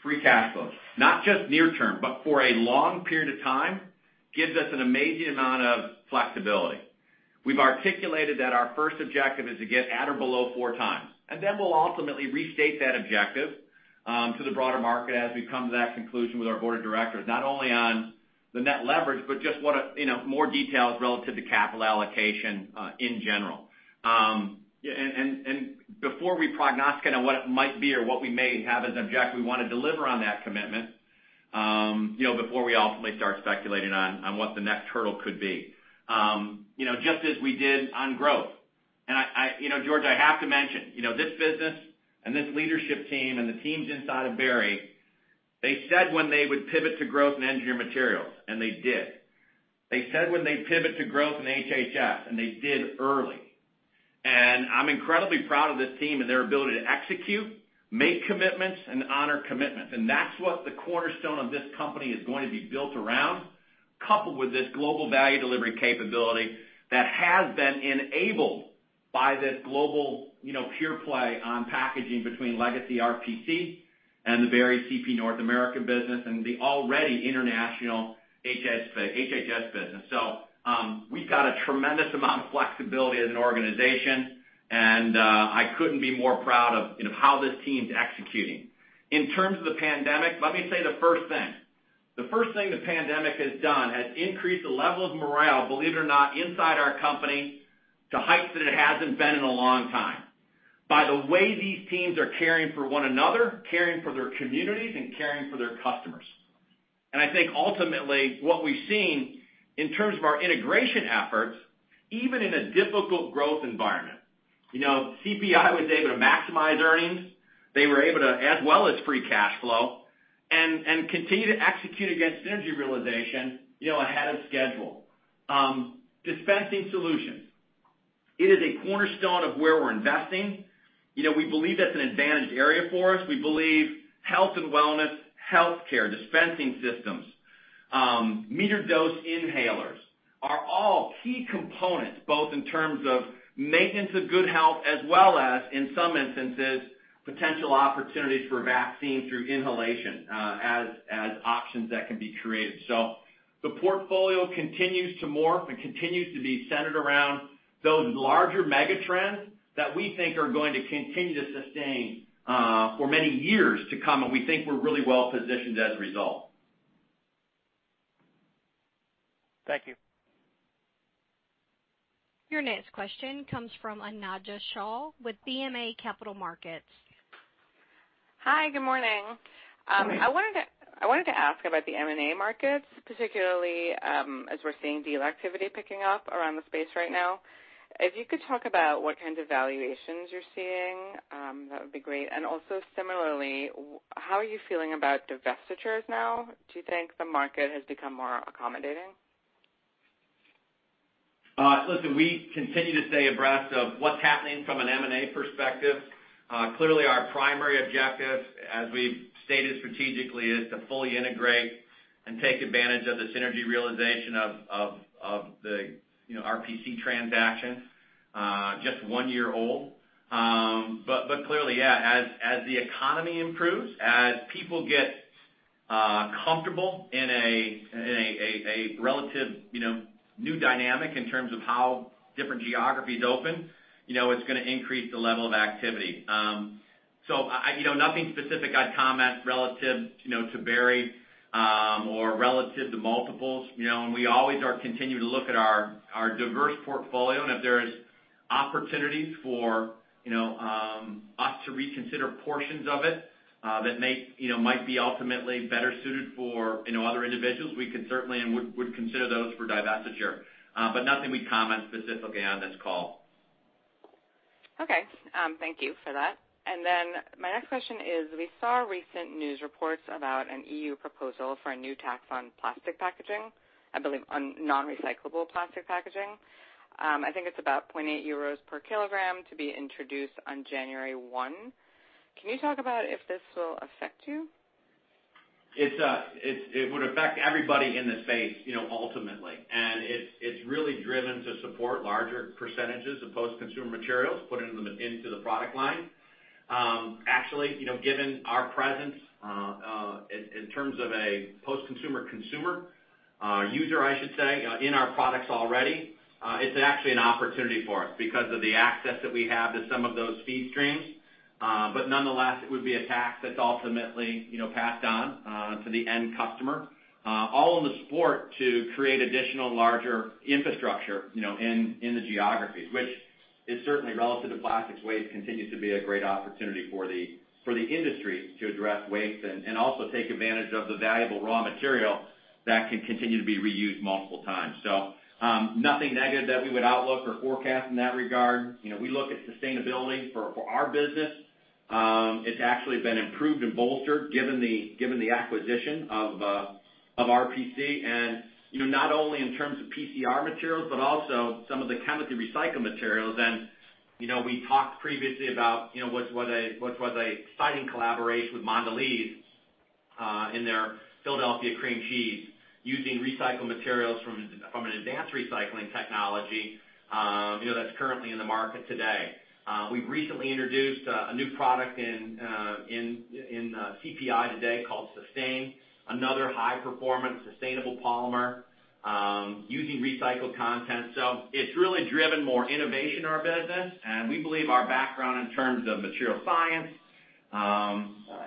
free cash flow, not just near-term, but for a long period of time, gives us an amazing amount of flexibility. We've articulated that our first objective is to get at or below four times. Then we'll ultimately restate that objective to the broader market as we come to that conclusion with our board of directors, not only on the net leverage, but just more details relative to capital allocation in general. Before we prognosticate on what it might be or what we may have as an objective, we want to deliver on that commitment before we ultimately start speculating on what the next hurdle could be. Just as we did on growth. George, I have to mention, this business and this leadership team and the teams inside of Berry, they said when they would pivot to growth in Engineered Materials, and they did. They said when they'd pivot to growth in HHS, and they did early. I'm incredibly proud of this team and their ability to execute, make commitments, and honor commitments. That's what the cornerstone of this company is going to be built around, coupled with this global value delivery capability that has been enabled by this global pure play on packaging between legacy RPC and the Berry CP North America business and the already international HHS business. We've got a tremendous amount of flexibility as an organization, and I couldn't be more proud of how this team's executing. In terms of the pandemic, let me say the first thing. The first thing the pandemic has done has increased the level of morale, believe it or not, inside our company to heights that it hasn't been in a long time, by the way these teams are caring for one another, caring for their communities, and caring for their customers. I think ultimately what we've seen in terms of our integration efforts, even in a difficult growth environment, CPI was able to maximize earnings. They were able to, as well as free cash flow, and continue to execute against synergy realization ahead of schedule. Dispensing solutions is a cornerstone of where we're investing. We believe that's an advantaged area for us. We believe health and wellness, healthcare dispensing systems, metered-dose inhalers are all key components, both in terms of maintenance of good health as well as, in some instances, potential opportunities for vaccines through inhalation as options that can be created. The portfolio continues to morph and continues to be centered around those larger mega trends that we think are going to continue to sustain for many years to come, and we think we're really well-positioned as a result. Thank you. Your next question comes from Anojja Shah with BMO Capital Markets. Hi, good morning. I wanted to ask about the M&A markets, particularly as we're seeing deal activity picking up around the space right now. If you could talk about what kind of valuations you're seeing, that would be great. Also similarly, how are you feeling about divestitures now? Do you think the market has become more accommodating? Listen, we continue to stay abreast of what's happening from an M&A perspective. Clearly, our primary objective, as we've stated strategically, is to fully integrate and take advantage of the synergy realization of the RPC transaction. Just one year old. Clearly, yeah, as the economy improves, as people get comfortable in a relative new dynamic in terms of how different geographies open, it's going to increase the level of activity. Nothing specific I'd comment relative to Berry or relative to multiples. We always are continuing to look at our diverse portfolio, and if there is opportunities for us to reconsider portions of it that might be ultimately better suited for other individuals, we could certainly and would consider those for divestiture. Nothing we'd comment specifically on this call. Okay. Thank you for that. My next question is, we saw recent news reports about an EU proposal for a new tax on plastic packaging, I believe on non-recyclable plastic packaging. I think it's about 0.8 euros /kg to be introduced on January 1. Can you talk about if this will affect you? It would affect everybody in this space ultimately, and it's really driven to support larger percentages of post-consumer materials put into the product line. Actually, given our presence in terms of a post-consumer user, I should say, in our products already, it's actually an opportunity for us because of the access that we have to some of those feed streams. Nonetheless, it would be a tax that's ultimately passed on to the end customer, all in the support to create additional larger infrastructure in the geographies. Which is certainly relative to plastics waste, continues to be a great opportunity for the industry to address waste and also take advantage of the valuable raw material that can continue to be reused multiple times. Nothing negative that we would outlook or forecast in that regard. We look at sustainability for our business. It's actually been improved and bolstered given the acquisition of RPC, not only in terms of PCR materials, but also some of the chemically recycled materials. We talked previously about what was an exciting collaboration with Mondelēz in their Philadelphia Cream Cheese using recycled materials from an advanced recycling technology that's currently in the market today. We've recently introduced a new product in CPI today called Sustain, another high-performance sustainable polymer using recycled content. It's really driven more innovation in our business, and we believe our background in terms of material science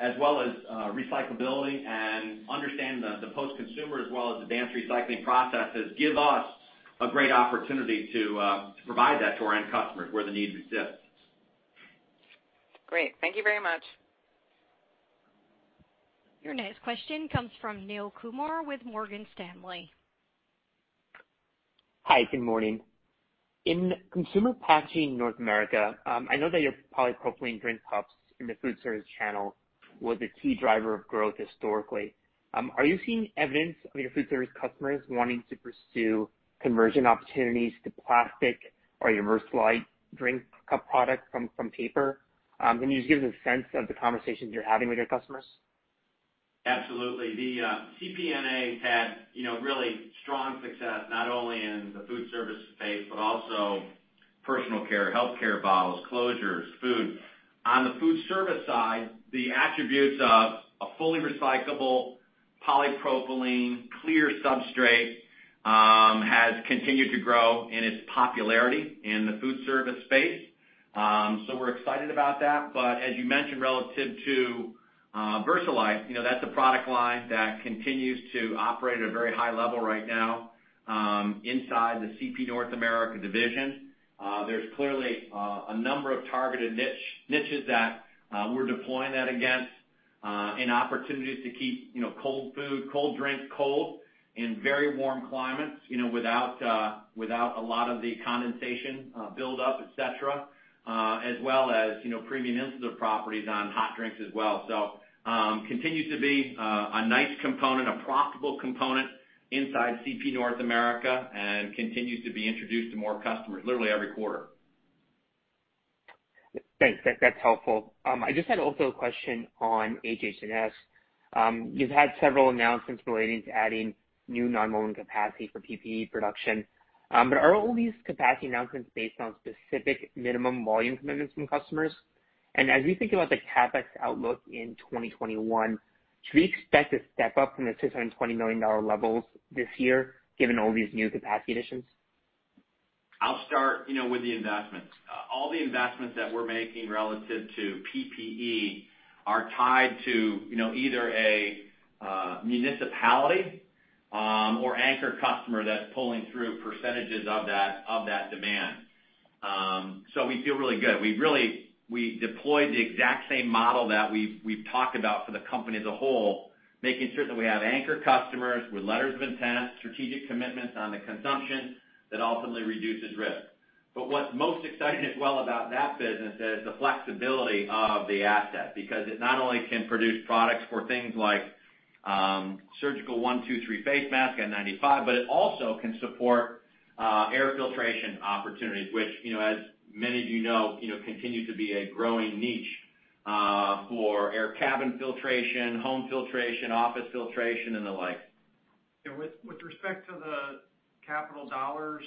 as well as recyclability and understanding the post-consumer as well as advanced recycling processes give us a great opportunity to provide that to our end customers where the need exists. Great. Thank you very much. Your next question comes from Neel Kumar with Morgan Stanley. Hi, good morning. In Consumer Packaging North America, I know that your polypropylene drink cups in the food service channel was a key driver of growth historically. Are you seeing evidence of your food service customers wanting to pursue conversion opportunities to plastic or your Versalite drink cup product from paper? Can you just give us a sense of the conversations you're having with your customers? Absolutely. The CPNA had really strong success, not only in the food service space, but also personal care, healthcare bottles, closures, food. On the food service side, the attributes of a fully recyclable polypropylene clear substrate has continued to grow in its popularity in the food service space. We're excited about that. As you mentioned, relative to Versalite, that's a product line that continues to operate at a very high level right now inside the CP North America division. There's clearly a number of targeted niches that we're deploying that against and opportunities to keep cold food, cold drinks cold in very warm climates without a lot of the condensation buildup, et cetera, as well as premium insulative properties on hot drinks as well. Continues to be a nice component, a profitable component inside CP North America, and continues to be introduced to more customers literally every quarter. Thanks. That's helpful. I just had also a question on HH&S. You've had several announcements relating to adding new nonwoven capacity for PPE production. Are all these capacity announcements based on specific minimum volume commitments from customers? As we think about the CapEx outlook in 2021, should we expect a step-up from the $220 million levels this year, given all these new capacity additions? I'll start with the investments. All the investments that we're making relative to PPE are tied to either a municipality or anchor customer that's pulling through percentages of that demand. We feel really good. We deployed the exact same model that we've talked about for the company as a whole, making sure that we have anchor customers with letters of intent, strategic commitments on the consumption that ultimately reduces risk. What's most exciting as well about that business is the flexibility of the asset, because it not only can produce products for things like surgical one, two, three face masks, N95, but it also can support air filtration opportunities. Which, as many of you know, continue to be a growing niche for air cabin filtration, home filtration, office filtration, and the like. With respect to the capital dollars,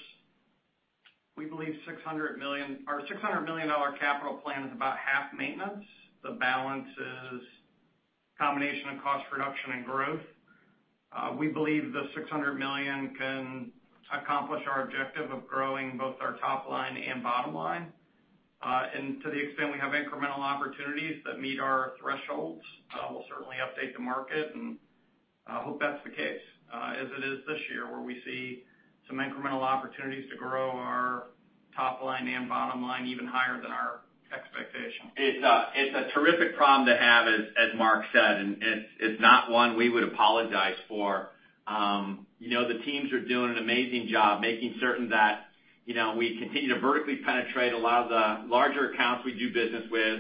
we believe our $600 million capital plan is about half maintenance. The balance is a combination of cost reduction and growth. To the extent we have incremental opportunities that meet our thresholds, we'll certainly update the market, and hope that's the case, as it is this year, where we see some incremental opportunities to grow our top line and bottom line even higher than our expectations. It's a terrific problem to have, as Mark said, and it's not one we would apologize for. The teams are doing an amazing job making certain that we continue to vertically penetrate a lot of the larger accounts we do business with.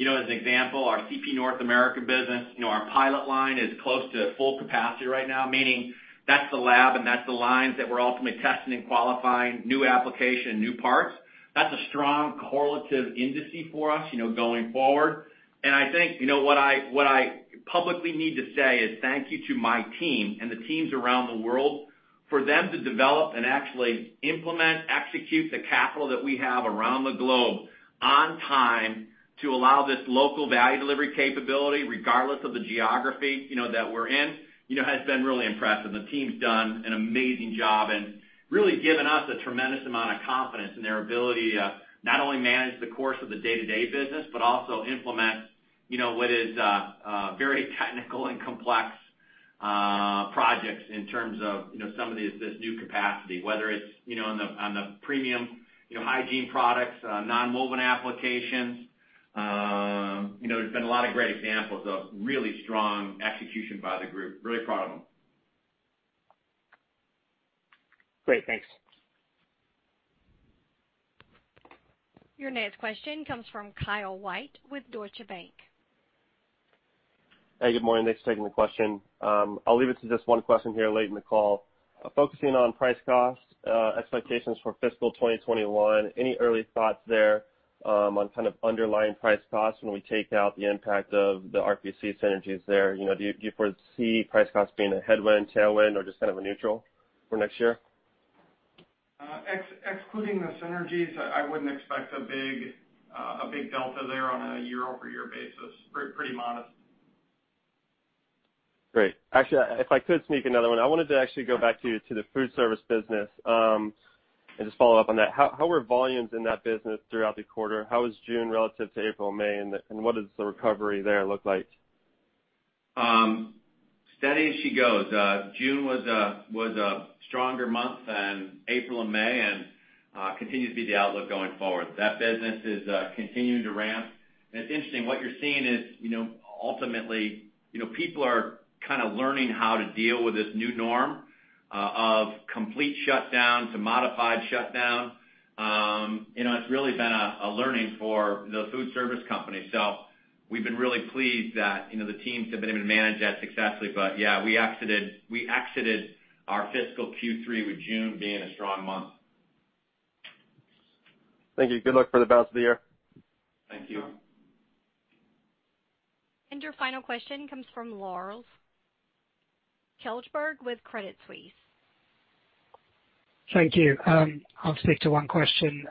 As an example, our CP North America business, our pilot line is close to full capacity right now, meaning that's the lab and that's the lines that we're ultimately testing and qualifying new application, new parts. That's a strong correlative industry for us going forward. I think what I publicly need to say is thank you to my team and the teams around the world for them to develop and actually implement, execute the capital that we have around the globe on time to allow this local value delivery capability, regardless of the geography that we're in, has been really impressive. The team's done an amazing job and really given us a tremendous amount of confidence in their ability to not only manage the course of the day-to-day business, but also implement what is very technical and complex projects in terms of some of this new capacity, whether it's on the premium hygiene products, nonwoven applications. There's been a lot of great examples of really strong execution by the group. Really proud of them. Great. Thanks. Your next question comes from Kyle White with Deutsche Bank. Hey, good morning. Thanks for taking the question. I'll leave it to just one question here late in the call. Focusing on price cost expectations for fiscal 2021, any early thoughts there on kind of underlying price costs when we take out the impact of the RPC synergies there? Do you foresee price costs being a headwind, tailwind, or just kind of a neutral for next year? Excluding the synergies, I wouldn't expect a big delta there on a year-over-year basis. Pretty modest. Great. Actually, if I could sneak another one. I wanted to actually go back to the food service business and just follow up on that. How were volumes in that business throughout the quarter? How was June relative to April and May, and what does the recovery there look like? Steady as she goes. June was a stronger month than April and May, continues to be the outlook going forward. That business is continuing to ramp. It's interesting. What you're seeing is ultimately, people are kind of learning how to deal with this new norm of complete shutdown to modified shutdown. It's really been a learning for the food service company. We've been really pleased that the teams have been able to manage that successfully. Yeah, we exited our fiscal Q3 with June being a strong month. Thank you. Good luck for the rest of the year. Thank you. Your final question comes from Lars Kjellberg with Credit Suisse. Thank you. I'll stick to one question.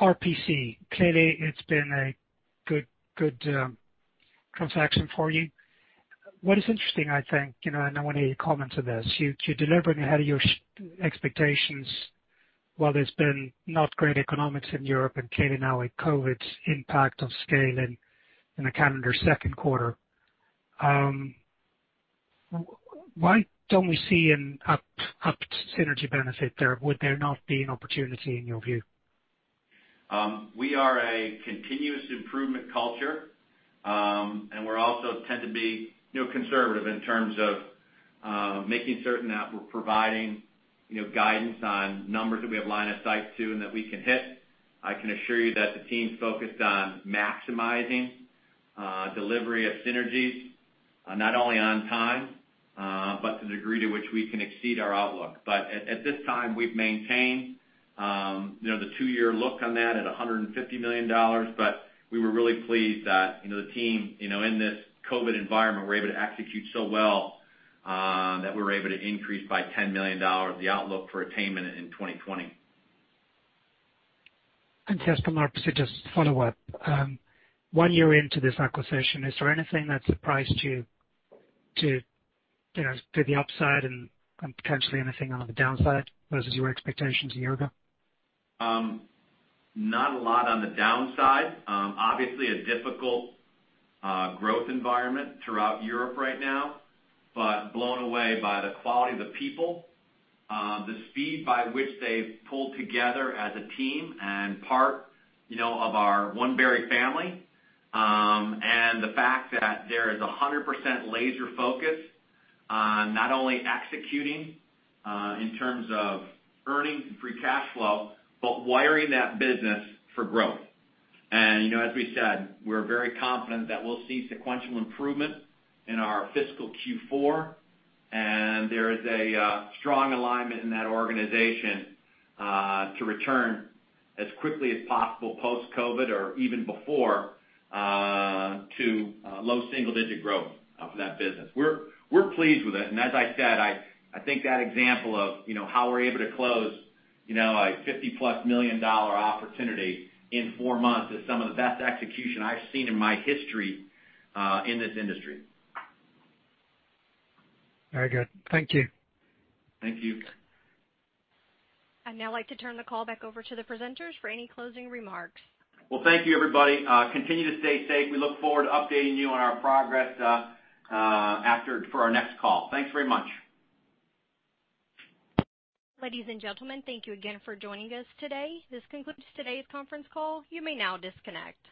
RPC, clearly it has been a good transaction for you. What is interesting, I think, and I want to hear your comments on this. You delivered ahead of your expectations, while there has been not great economics in Europe and clearly now with COVID's impact on scale in the calendar second quarter. Why don't we see an upped synergy benefit there? Would there not be an opportunity in your view? We are a continuous improvement culture, and we also tend to be conservative in terms of making certain that we're providing guidance on numbers that we have line of sight to and that we can hit. I can assure you that the team's focused on maximizing delivery of synergies, not only on time, but to the degree to which we can exceed our outlook. At this time, we've maintained the two-year look on that at $150 million, but we were really pleased that the team, in this COVID environment, were able to execute so well, that we were able to increase by $10 million the outlook for attainment in 2020. Just to follow up. One year into this acquisition, is there anything that surprised you to the upside and potentially anything on the downside versus your expectations a year ago? Not a lot on the downside. Obviously a difficult growth environment throughout Europe right now, but blown away by the quality of the people, the speed by which they've pulled together as a team and part of our OneBerry family. The fact that there is 100% laser focus on not only executing in terms of earning free cash flow, but wiring that business for growth. As we said, we're very confident that we'll see sequential improvement in our fiscal Q4, and there is a strong alignment in that organization to return as quickly as possible post-COVID or even before, to low single digit growth of that business. We're pleased with it, and as I said, I think that example of how we're able to close a $50+ million opportunity in four months is some of the best execution I've seen in my history in this industry. Very good. Thank you. Thank you. I'd now like to turn the call back over to the presenters for any closing remarks. Well, thank you everybody. Continue to stay safe. We look forward to updating you on our progress for our next call. Thanks very much. Ladies and gentlemen, thank you again for joining us today. This concludes today's conference call. You may now disconnect.